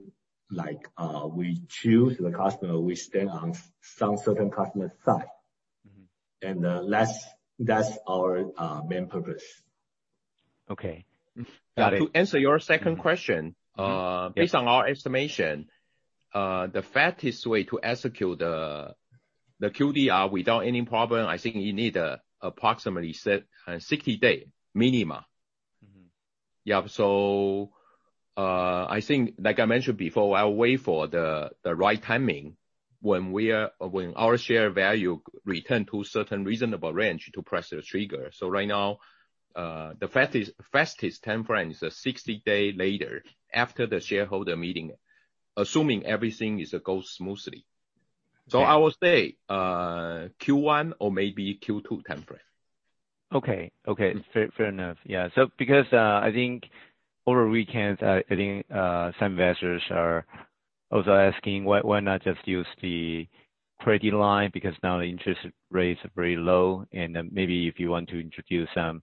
S1: like, we choose the customer, we stand on some certain customer's side. That's our main purpose.
S3: Okay.
S2: To answer your second question. Based on our estimation, the fastest way to execute the GDR without any problem, I think you need approximately 60 day minima. I think, like I mentioned before, I'll wait for the right timing when our share value return to certain reasonable range to press the trigger. Right now, the fastest time frame is 60 day later after the shareholder meeting, assuming everything goes smoothly. I would say, Q1 or maybe Q2 time frame.
S3: Okay. Fair enough. Yeah. Because, I think over weekends, some investors are also asking why not just use the credit line because now the interest rates are very low, and then maybe if you want to introduce some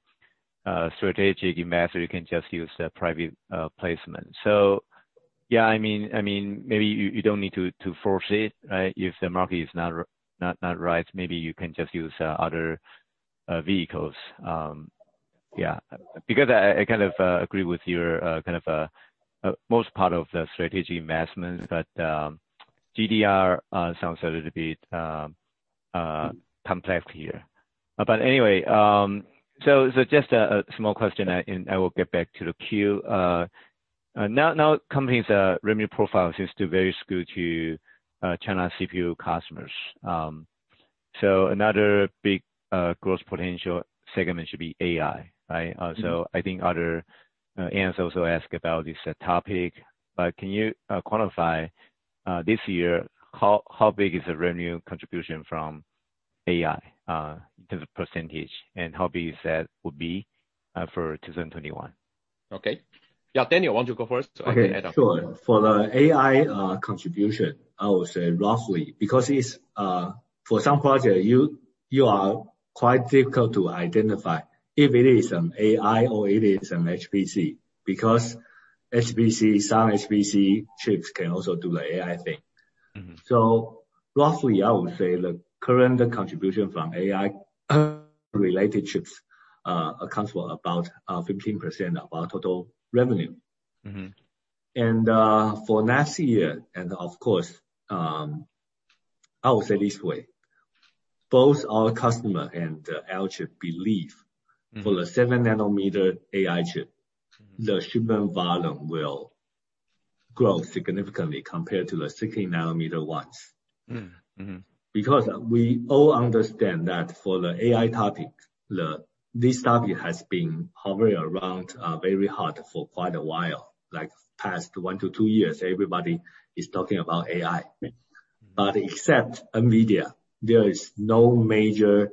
S3: strategic investor, you can just use a private placement. Yeah, maybe you don't need to force it, right? If the market is not right, maybe you can just use other vehicles. Yeah. Because I agree with your most part of the strategic investments, but GDR sounds a little bit complex here. Anyway, just a small question, and I will get back to the queue. Now company's revenue profile seems to very skewed to China CPU customers. Another big growth potential segment should be AI, right? I think other analysts also ask about this topic, but can you quantify, this year, how big is the revenue contribution from AI, the percentage, and how big that would be, for 2021?
S2: Okay. Yeah. Daniel, why don't you go first?
S1: Okay. Sure. For the AI contribution, I would say roughly, because for some project, you are quite difficult to identify if it is an AI or it is an HPC, because some HPC chips can also do the AI thing. Roughly, I would say the current contribution from AI related chips accounts for about 15% of our total revenue. For next year, and of course, I will say this way, both our customer and Alchip believe. For the 7 nm AI chip. The shipment volume will grow significantly compared to the 16 nm ones. We all understand that for the AI topic, this topic has been hovering around very hard for quite a while. Like past one to two years, everybody is talking about AI. Except NVIDIA, there is no major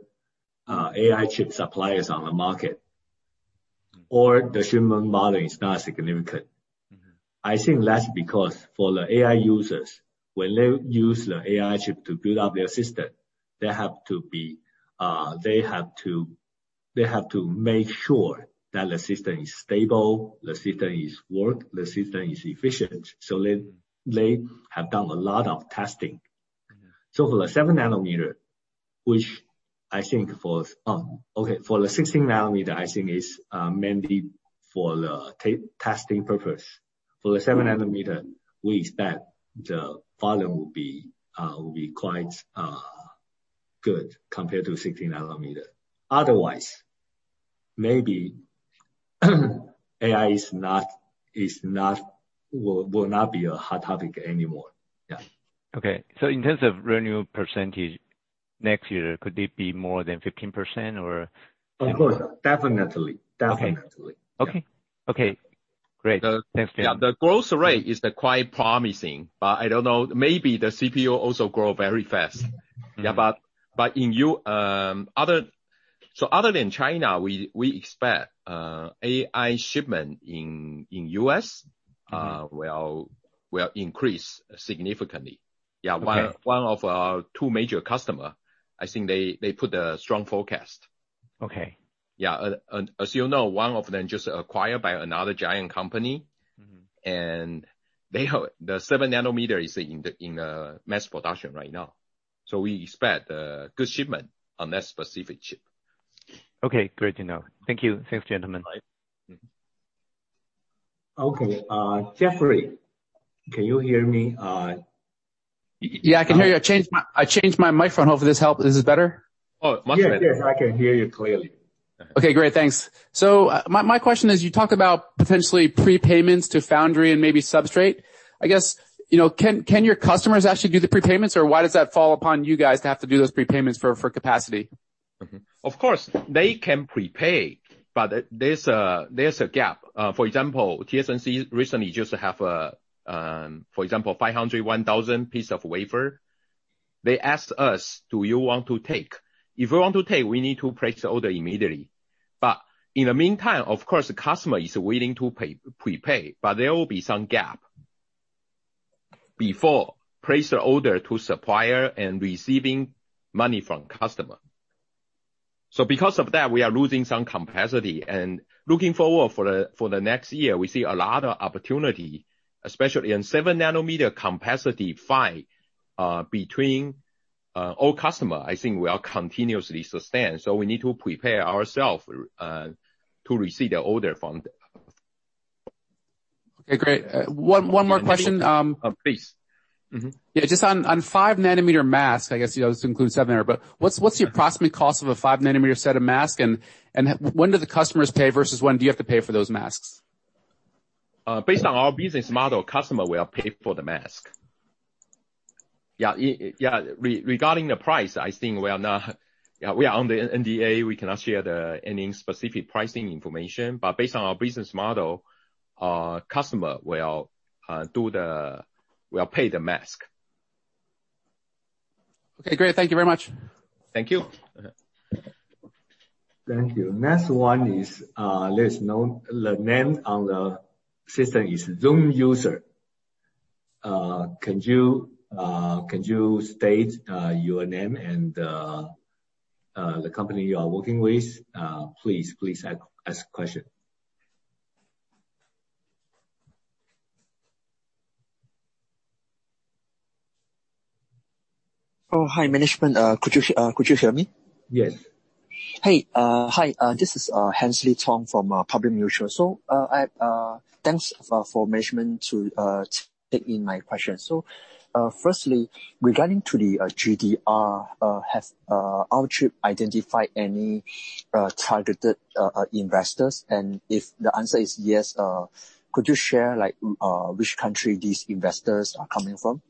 S1: AI chip suppliers on the market, or the shipment volume is not significant. I think that's because for the AI users, when they use the AI chip to build up their system, they have to make sure that the system is stable, the system is work, the system is efficient. They have done a lot of testing. Yeah. For the 7 nm, for the 16 nm, I think is mainly for the testing purpose. For the 7 nm, we expect the volume will be quite good compared to 16 nm. Otherwise, maybe AI will not be a hot topic anymore. Yeah.
S3: Okay. In terms of revenue percentage next year, could it be more than 15% or?
S1: Of course. Definitely.
S3: Okay.
S1: Definitely.
S3: Okay. Great. Thanks, Daniel.
S2: Yeah, the growth rate is quite promising, but I don't know, maybe the CPO also grow very fast. Other than China, we expect AI shipment in U.S. will increase significantly. Yeah.
S3: Okay.
S2: One of our two major customers, I think they put a strong forecast.
S3: Okay.
S2: Yeah. As you know, one of them just acquired by another giant company. The 7 nm is in the mass production right now. We expect good shipment on that specific chip.
S3: Okay, great to know. Thank you. Thanks, gentlemen.
S2: Bye.
S1: Okay, Jeffrey, can you hear me?
S7: Yeah, I can hear you. I changed my microphone. Hopefully this is better.
S2: Oh, much better.
S1: Yes. I can hear you clearly.
S7: Okay, great. Thanks. My question is, you talk about potentially prepayments to foundry and maybe substrate. I guess, can your customers actually do the prepayments, or why does that fall upon you guys to have to do those prepayments for capacity?
S2: Of course. They can prepay, but there's a gap. For example, TSMC recently used to have, for example, 500, 1,000 piece of wafer. They asked us, "Do you want to take?" If we want to take, we need to place the order immediately. In the meantime, of course, the customer is waiting to prepay, but there will be some gap before place the order to supplier and receiving money from customer. Because of that, we are losing some capacity. Looking forward for the next year, we see a lot of opportunity, especially in 7 nm capacity fight between old customer, I think will continuously sustain. We need to prepare ourselves to receive the order from them.
S7: Okay, great. One more question.
S2: Please.
S7: Just on 5 nm masks, I guess you also include seven nano, but what's your approximate cost of a 5 nm set of mask, and when do the customers pay versus when do you have to pay for those masks?
S2: Based on our business model, customer will pay for the mask. Yeah. Regarding the price, I think we are under NDA, we cannot share any specific pricing information. Based on our business model, customer will pay the mask.
S7: Okay, great. Thank you very much.
S2: Thank you.
S1: Thank you. Next one is, there's no name on the system, it is Zoom user. Can you state your name and the company you are working with? Please ask the question.
S8: Oh, hi, management. Could you hear me?
S1: Yes.
S8: Hi, this is Wen Chyi Tong from Public Mutual. Thanks for management to take in my question. Firstly, regarding to the GDR, have Alchip identified any targeted investors? If the answer is yes, could you share which country these investors are coming from?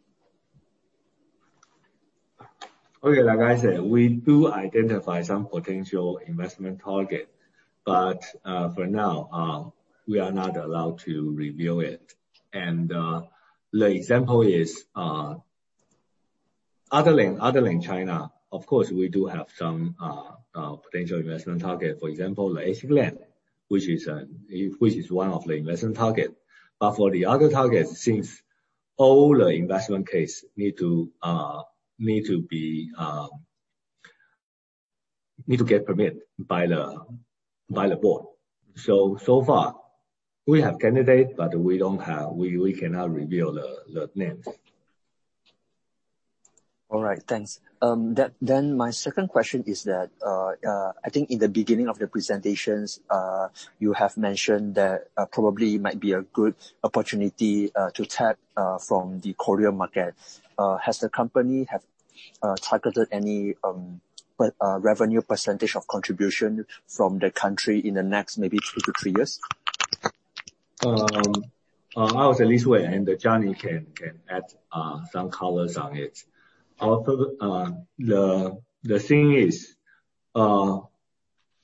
S1: Okay. Like I said, we do identify some potential investment target, for now, we are not allowed to reveal it. The example is, other than China, of course, we do have some potential investment target. For example, the ASICLAND, which is one of the investment target. For the other targets, since all the investment case need to get permit by the board. So far, we have candidate, we cannot reveal the name.
S8: All right. Thanks. My second question is that, I think in the beginning of the presentations, you have mentioned that probably might be a good opportunity to tap from the Korea market. Has the company targeted any revenue percentage of contribution from the country in the next maybe two to three years?
S1: I'll say this way, and Johnny can add some colors on it. The thing is,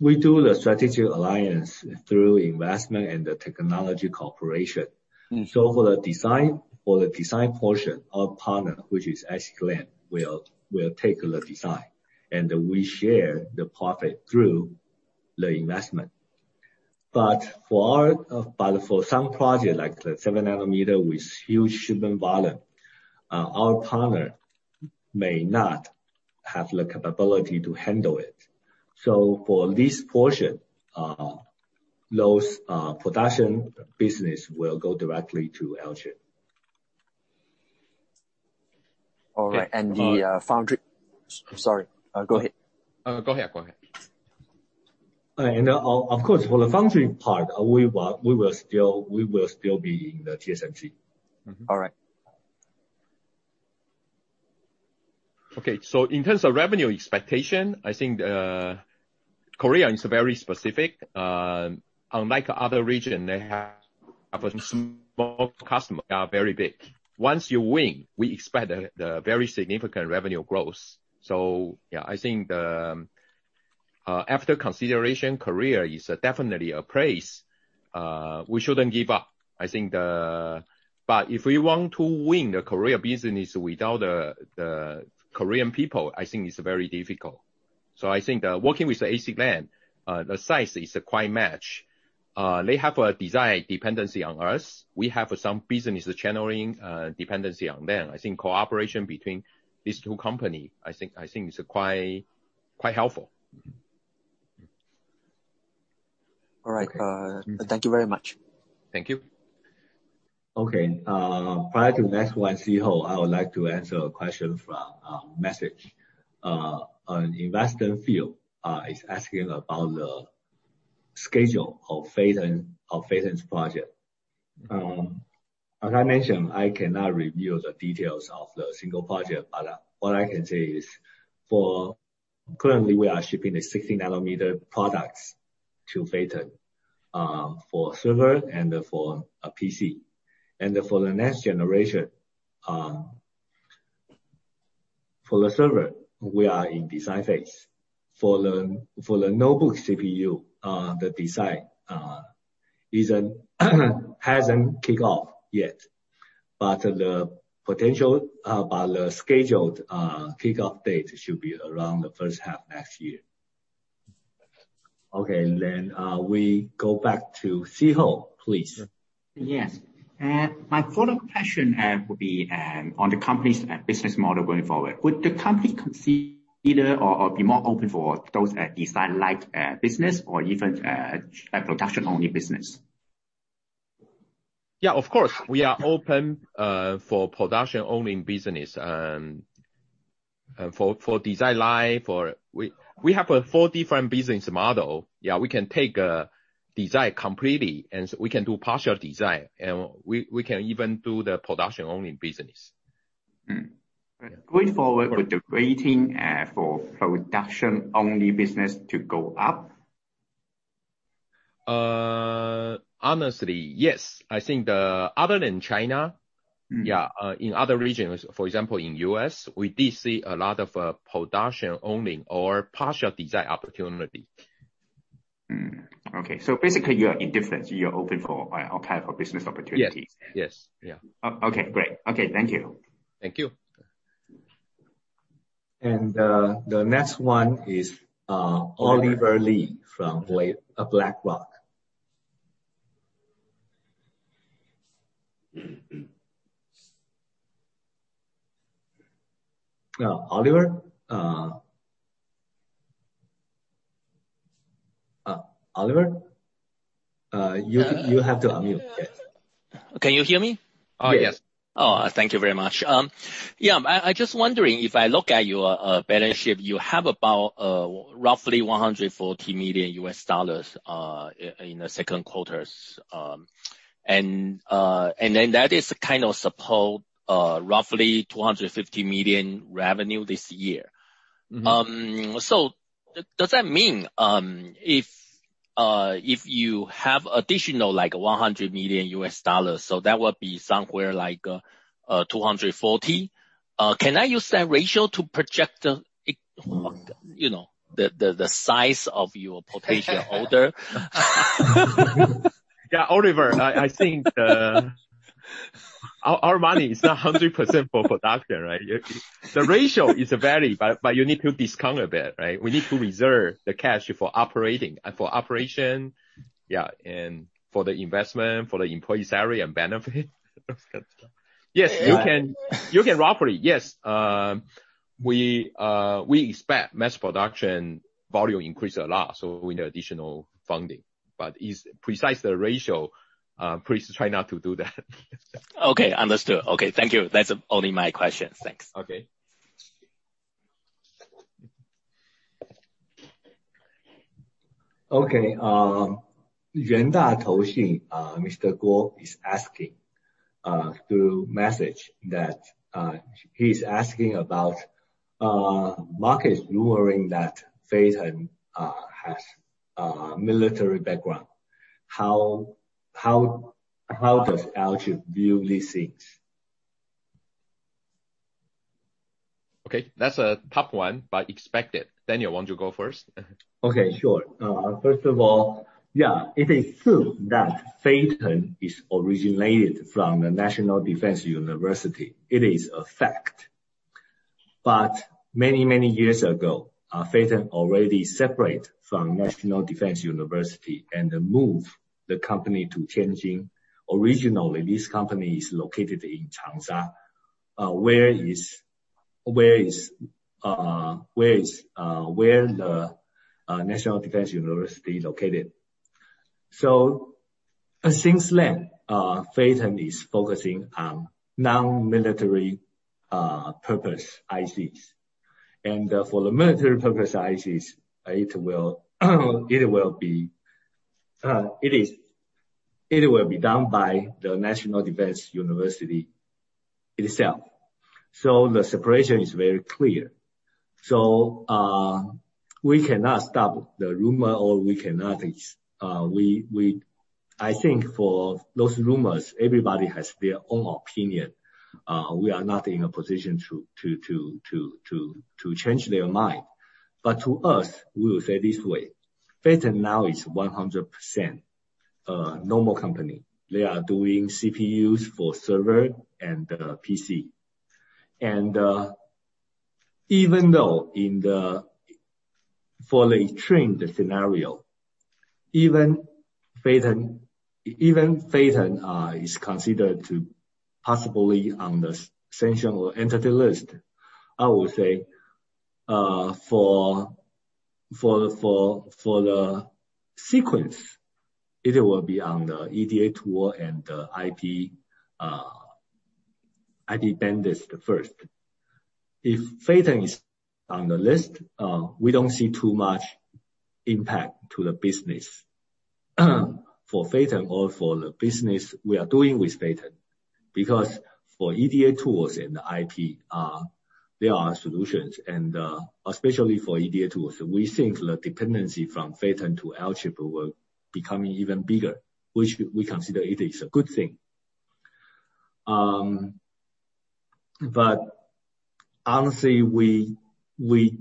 S1: we do the strategic alliance through investment and the technology cooperation. For the design portion, our partner, which is ASICLAND, will take the design, and we share the profit through the investment. For some project, like the 7 nm with huge shipment volume, our partner may not have the capability to handle it. For this portion, those production business will go directly to Alchip.
S8: All right. Sorry, go ahead.
S2: Go ahead. Of course, for the foundry part, we will still be in the TSMC.
S8: All right.
S2: Okay, in terms of revenue expectation, I think Korea is very specific. Unlike other region, they have a small customer, very big. Once you win, we expect the very significant revenue growth. Yeah, I think after consideration, Korea is definitely a place we shouldn't give up. If we want to win the Korea business without the Korean people, I think it's very difficult. I think that working with the ASICLAND, the size is a quite match. They have a design dependency on us. We have some business channeling dependency on them. I think cooperation between these two company, I think, is quite helpful.
S8: All right. Thank you very much.
S2: Thank you.
S1: Okay. Prior to next one, Szeho, I would like to answer a question from Message. An investor field is asking about the schedule of Phytium's project. As I mentioned, I cannot reveal the details of the single project. What I can say is currently we are shipping the 16 nm products to Phytium for server and for PC. For the next generation, for the server, we are in design phase. For the notebook CPU, the design hasn't kick off yet. The scheduled kickoff date should be around the first half next year. Okay. We go back to Szeho, please.
S4: Yes. My follow-up question will be on the company's business model going forward. Would the company consider or be more open for those design-lite business or even a production-only business?
S2: Yeah, of course. We are open for production-only business. For design, like. We have a four different business model. Yeah, we can take a design completely, and we can do partial design, and we can even do the production-only business.
S4: Going forward with the weighting for production-only business to go up?
S2: Honestly, yes. I think other than China. Yeah. In other regions, for example, in U.S., we did see a lot of production-only or partial design opportunity.
S4: Okay. Basically, you are indifferent. You are open for all kind of business opportunities.
S2: Yes. Yeah.
S4: Okay, great. Okay. Thank you.
S2: Thank you.
S1: The next one is Oliver Lee from BlackRock. Oliver? You have to unmute.
S9: Can you hear me?
S1: Oh, yes.
S9: Oh, thank you very much. Yeah, I just wondering if I look at your balance sheet, you have about roughly $140 million in the second quarters. That is kind of support roughly $250 million revenue this year. Does that mean, if you have additional, like $100 million, so that would be somewhere like $240 million? Can I use that ratio to project the size of your potential order?
S2: Yeah. Oliver, I think our money is 100% for production, right? The ratio is a vary, but you need to discount a bit, right? We need to reserve the cash for operation, yeah, and for the investment, for the employee salary and benefit. Yes, you can roughly, yes. We expect mass production volume increase a lot, so we need additional funding. Precise the ratio, please try not to do that.
S9: Okay, understood. Okay, thank you. That is only my questions. Thanks.
S2: Okay.
S1: Okay. Yuanta Securities Investment Trust, Mr. Guo, is asking through message that, he's asking about markets rumored that Phytium has military background. How does Alchip view these things?
S2: Okay, that's a tough one, but expected. Daniel, want to go first?
S1: Okay, sure. First of all, yeah, it is true that Phytium is originated from the National University of Defense Technology. It is a fact. Many, many years ago, Phytium already separate from National University of Defense Technology and then move the company to Tianjin. Originally, this company is located in Changsha, where the National University of Defense Technology located. Since then, Phytium is focusing on non-military purpose ICs. For the military purpose ICs, it will be done by the National University of Defense Technology itself. The separation is very clear. We cannot stop the rumor. I think for those rumors, everybody has their own opinion. We are not in a position to change their mind. To us, we will say this way, Phytium now is 100% a normal company. They are doing CPUs for server and PC. Even though in the fully constrained scenario, even Phytium is considered to possibly on the sanction or entity list, I will say, for the sequence, it will be on the EDA tool and the IP ban first. If Phytium is on the list, we don't see too much impact to the business for Phytium or for the business we are doing with Phytium. For EDA tools and IP, there are solutions and, especially for EDA tools, we think the dependency from Phytium to Alchip will become even bigger, which we consider it is a good thing. Honestly, we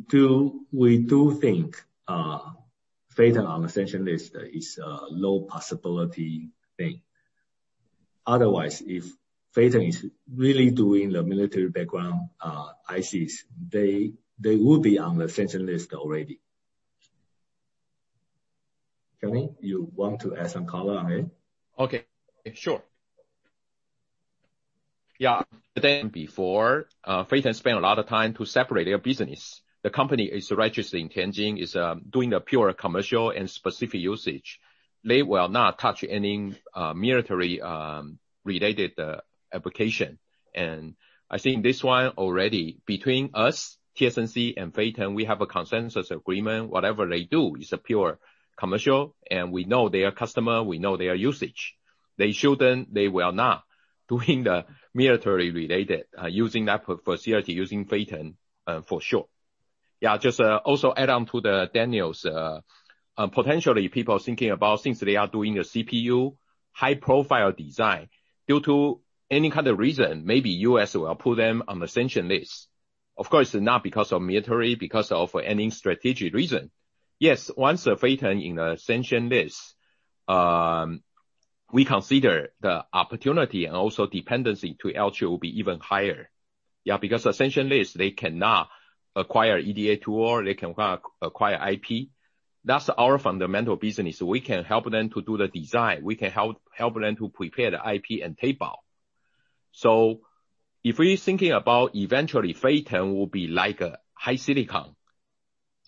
S1: do think Phytium on the sanction list is a low possibility thing. Otherwise, if Phytium is really doing the military background ICs, they would be on the sanction list already. Johnny, you want to add some color on it.
S2: Okay, sure. Before, Phytium spent a lot of time to separate their business. The company is registered in Tianjin, is doing a pure commercial and specific usage. They will not touch any military-related application. I think this one already between us, TSMC, and Phytium, we have a consensus agreement. Whatever they do is a pure commercial, and we know their customer, we know their usage. They will not doing the military-related, using that for CRC, using Phytium, for sure. Just also add on to Daniel's. Potentially people thinking about since they are doing a CPU high profile design, due to any kind of reason, maybe U.S. will put them on the sanction list. Of course, not because of military, because of any strategic reason. Yes, once Phytium in the sanction list, we consider the opportunity and also dependency to Alchip will be even higher. Because sanction list, they cannot acquire EDA tool, they cannot acquire IP. That's our fundamental business. We can help them to do the design. We can help them to prepare the IP and tape out. If we thinking about eventually Phytium will be like a HiSilicon,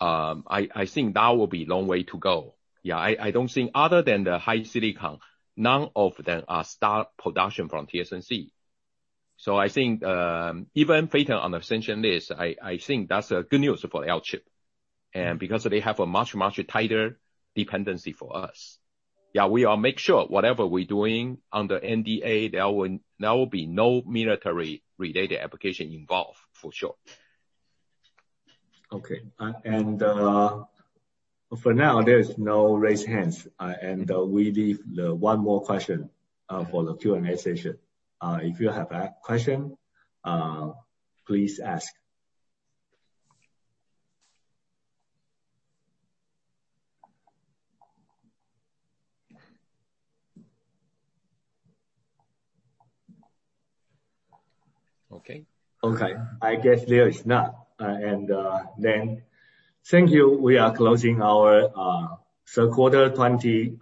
S2: I think that will be long way to go. I don't think other than the HiSilicon, none of them are start production from TSMC. I think, even Phytium on the sanction list, I think that's good news for Alchip. Because they have a much tighter dependency for us. We all make sure whatever we're doing under NDA, there will be no military-related application involved, for sure.
S1: Okay. For now, there is no raised hands. We leave the one more question for the Q&A session. If you have a question, please ask. Okay. Okay, I guess there is not. Thank you. We are closing our third quarter 20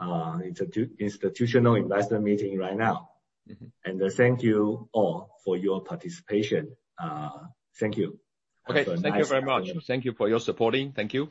S1: institutional investor meeting right now. Thank you all for your participation. Thank you.
S2: Okay. Thank you very much. Thank you for your supporting. Thank you.